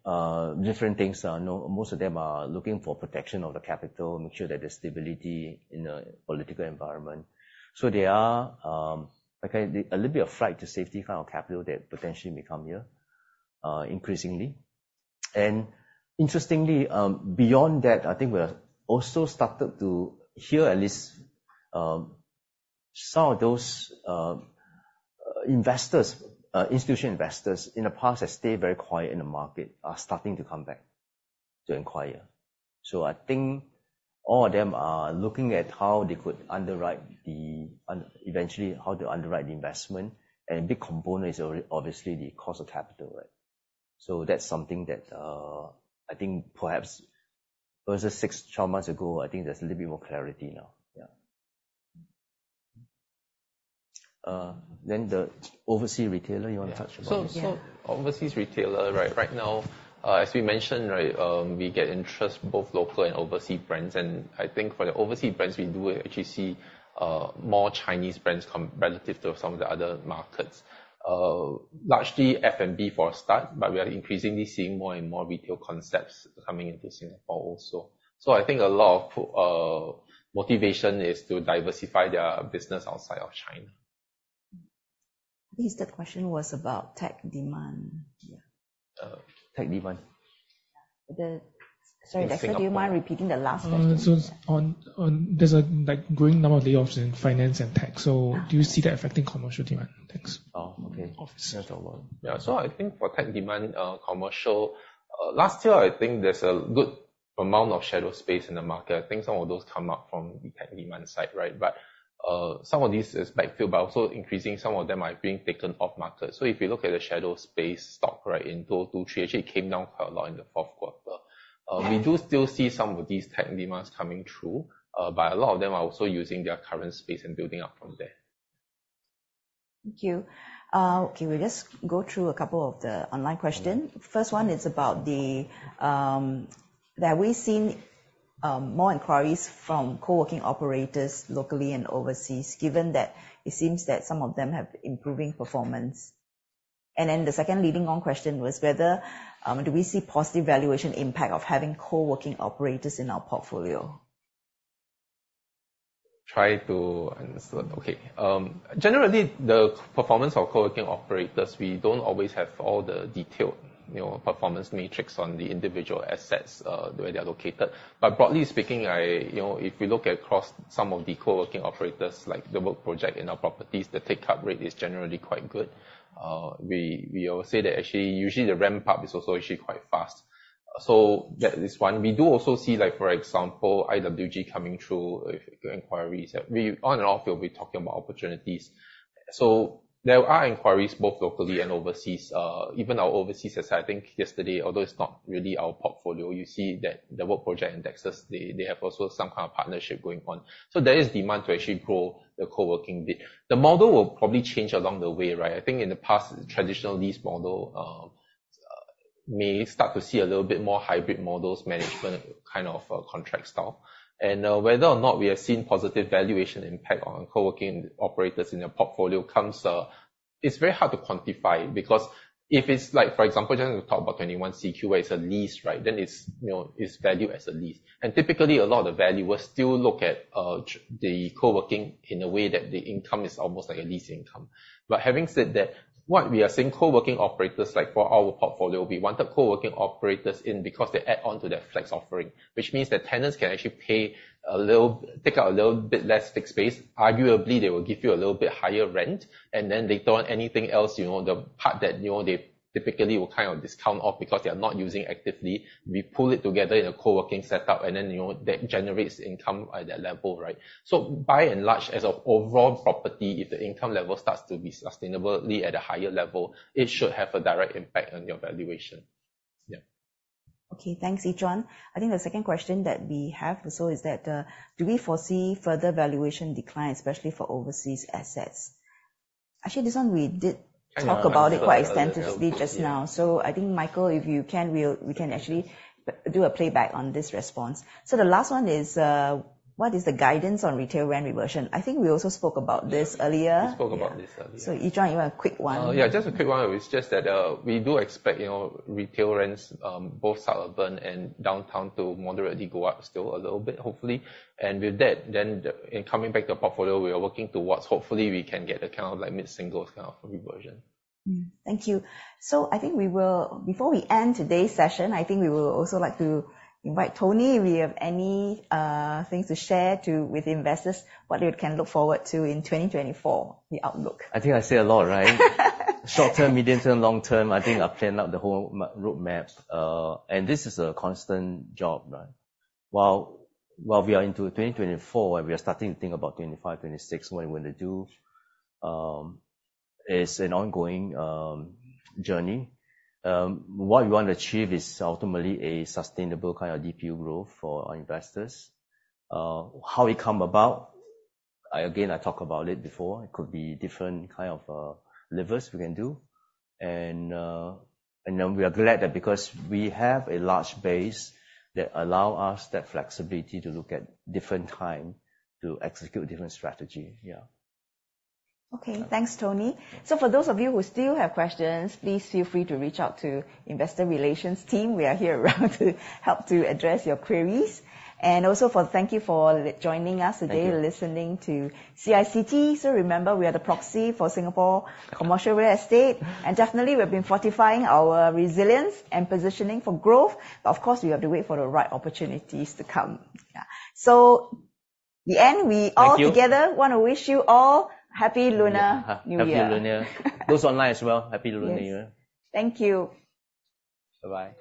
different things. Most of them are looking for protection of the capital, make sure that there's stability in the political environment. There are a little bit of flight to safety kind of capital that potentially may come here, increasingly. Interestingly, beyond that, I think we're also started to hear at least some of those institutional investors in the past that stayed very quiet in the market are starting to come back to inquire. I think all of them are looking at eventually how they could underwrite the investment, and a big component is obviously the cost of capital. That's something that I think perhaps versus six, 12 months ago, I think there's a little bit more clarity now. Yeah. The overseas retailer, you want to touch about it? Yeah. Overseas retailer, right now, as we mentioned, we get interest both local and overseas brands. I think for the overseas brands, we do actually see more Chinese brands come relative to some of the other markets. Largely F&B for a start, but we are increasingly seeing more and more retail concepts coming into Singapore also. I think a lot of motivation is to diversify their business outside of China. I think the question was about tech demand. Tech demand. Sorry, Dexter, do you mind repeating the last question? There's a growing number of layoffs in finance and tech. Do you see that affecting commercial demand? Thanks. Oh, okay. Office. I think for tech demand commercial, last year, I think there's a good amount of shadow space in the market. I think some of those come up from the tech demand side. Some of this is backfill, but also increasing some of them are being taken off market. If you look at the shadow space stock in 2023, actually it came down quite a lot in the fourth quarter. We do still see some of these tech demands coming through, but a lot of them are also using their current space and building up from there. Thank you. Okay, we'll just go through a couple of the online question. First one is about have we seen more inquiries from co-working operators locally and overseas, given that it seems that some of them have improving performance? The second leading on question was whether do we see positive valuation impact of having co-working operators in our portfolio? Try to understand. Okay. Generally, the performance of co-working operators, we don't always have all the detailed performance metrics on the individual assets, the way they're located. Broadly speaking, if you look across some of the co-working operators, like The Work Project in our properties, the take up rate is generally quite good. We always say that actually usually the ramp up is also actually quite fast. That is one. We do also see, for example, IWG coming through inquiries. On and off, we'll be talking about opportunities. There are inquiries both locally and overseas. Even our overseas, I think yesterday, although it's not really our portfolio, you see that The Work Project in Texas, they have also some kind of partnership going on. There is demand to actually grow the co-working bit. The model will probably change along the way. I think in the past, traditional lease model may start to see a little bit more hybrid models management kind of contract style. Whether or not we have seen positive valuation impact on co-working operators in their portfolio comes, it's very hard to quantify because if it's, for example, just in the Tower Bar 21 CQ where it's a lease, then it's valued as a lease. Typically, a lot of the value, we still look at the co-working in a way that the income is almost like a lease income. Having said that, what we are seeing co-working operators like for our portfolio, we want the co-working operators in because they add on to their flex offering. Which means that tenants can actually take a little bit less thick space. Arguably, they will give you a little bit higher rent, and then they don't anything else, the part that they typically will discount off because they are not using actively, we pull it together in a co-working setup and then that generates income at that level. By and large, as of overall property, if the income level starts to be sustainably at a higher level, it should have a direct impact on your valuation. Yeah. Okay. Thanks, Lee Yi Zhuan. I think the second question that we have also is that, do we foresee further valuation decline, especially for overseas assets? Actually, this one we did talk about it quite extensively just now. I think Michael, if you can, we can actually do a playback on this response. The last one is, what is the guidance on retail rent reversion? I think we also spoke about this earlier. We spoke about this earlier. Yi Zhuan, you want a quick one? Yeah, just a quick one. It is just that we do expect retail rents, both suburban and Downtown to moderately go up still a little bit, hopefully. With that, then coming back to the portfolio, we are working towards hopefully we can get a mid-singles kind of reversion. Thank you. I think before we end today's session, I think we would also like to invite Tony, if you have anything to share with investors, what they can look forward to in 2024, the outlook. I think I say a lot, right? Short term, medium term, long term, I think I have planned out the whole roadmap. This is a constant job. While we are into 2024, and we are starting to think about 2025, 2026, what we want to do, it is an ongoing journey. What we want to achieve is ultimately a sustainable kind of DPU growth for our investors. How we come about, again, I talk about it before. It could be different kind of levers we can do. We are glad that because we have a large base that allow us that flexibility to look at different time to execute different strategy. Yeah. Okay. Thanks, Tony. For those of you who still have questions, please feel free to reach out to investor relations team. We are here around to help to address your queries. Also thank you for joining us today. Thank you Listening to CICT. Remember, we are the proxy for Singapore commercial real estate. Definitely, we've been fortifying our resilience and positioning for growth. Of course, we have to wait for the right opportunities to come. Yeah. In the end, we all together. Thank you want to wish you all happy Lunar New Year. Happy Lunar. Those online as well, happy Lunar New Year. Thank you. Bye-bye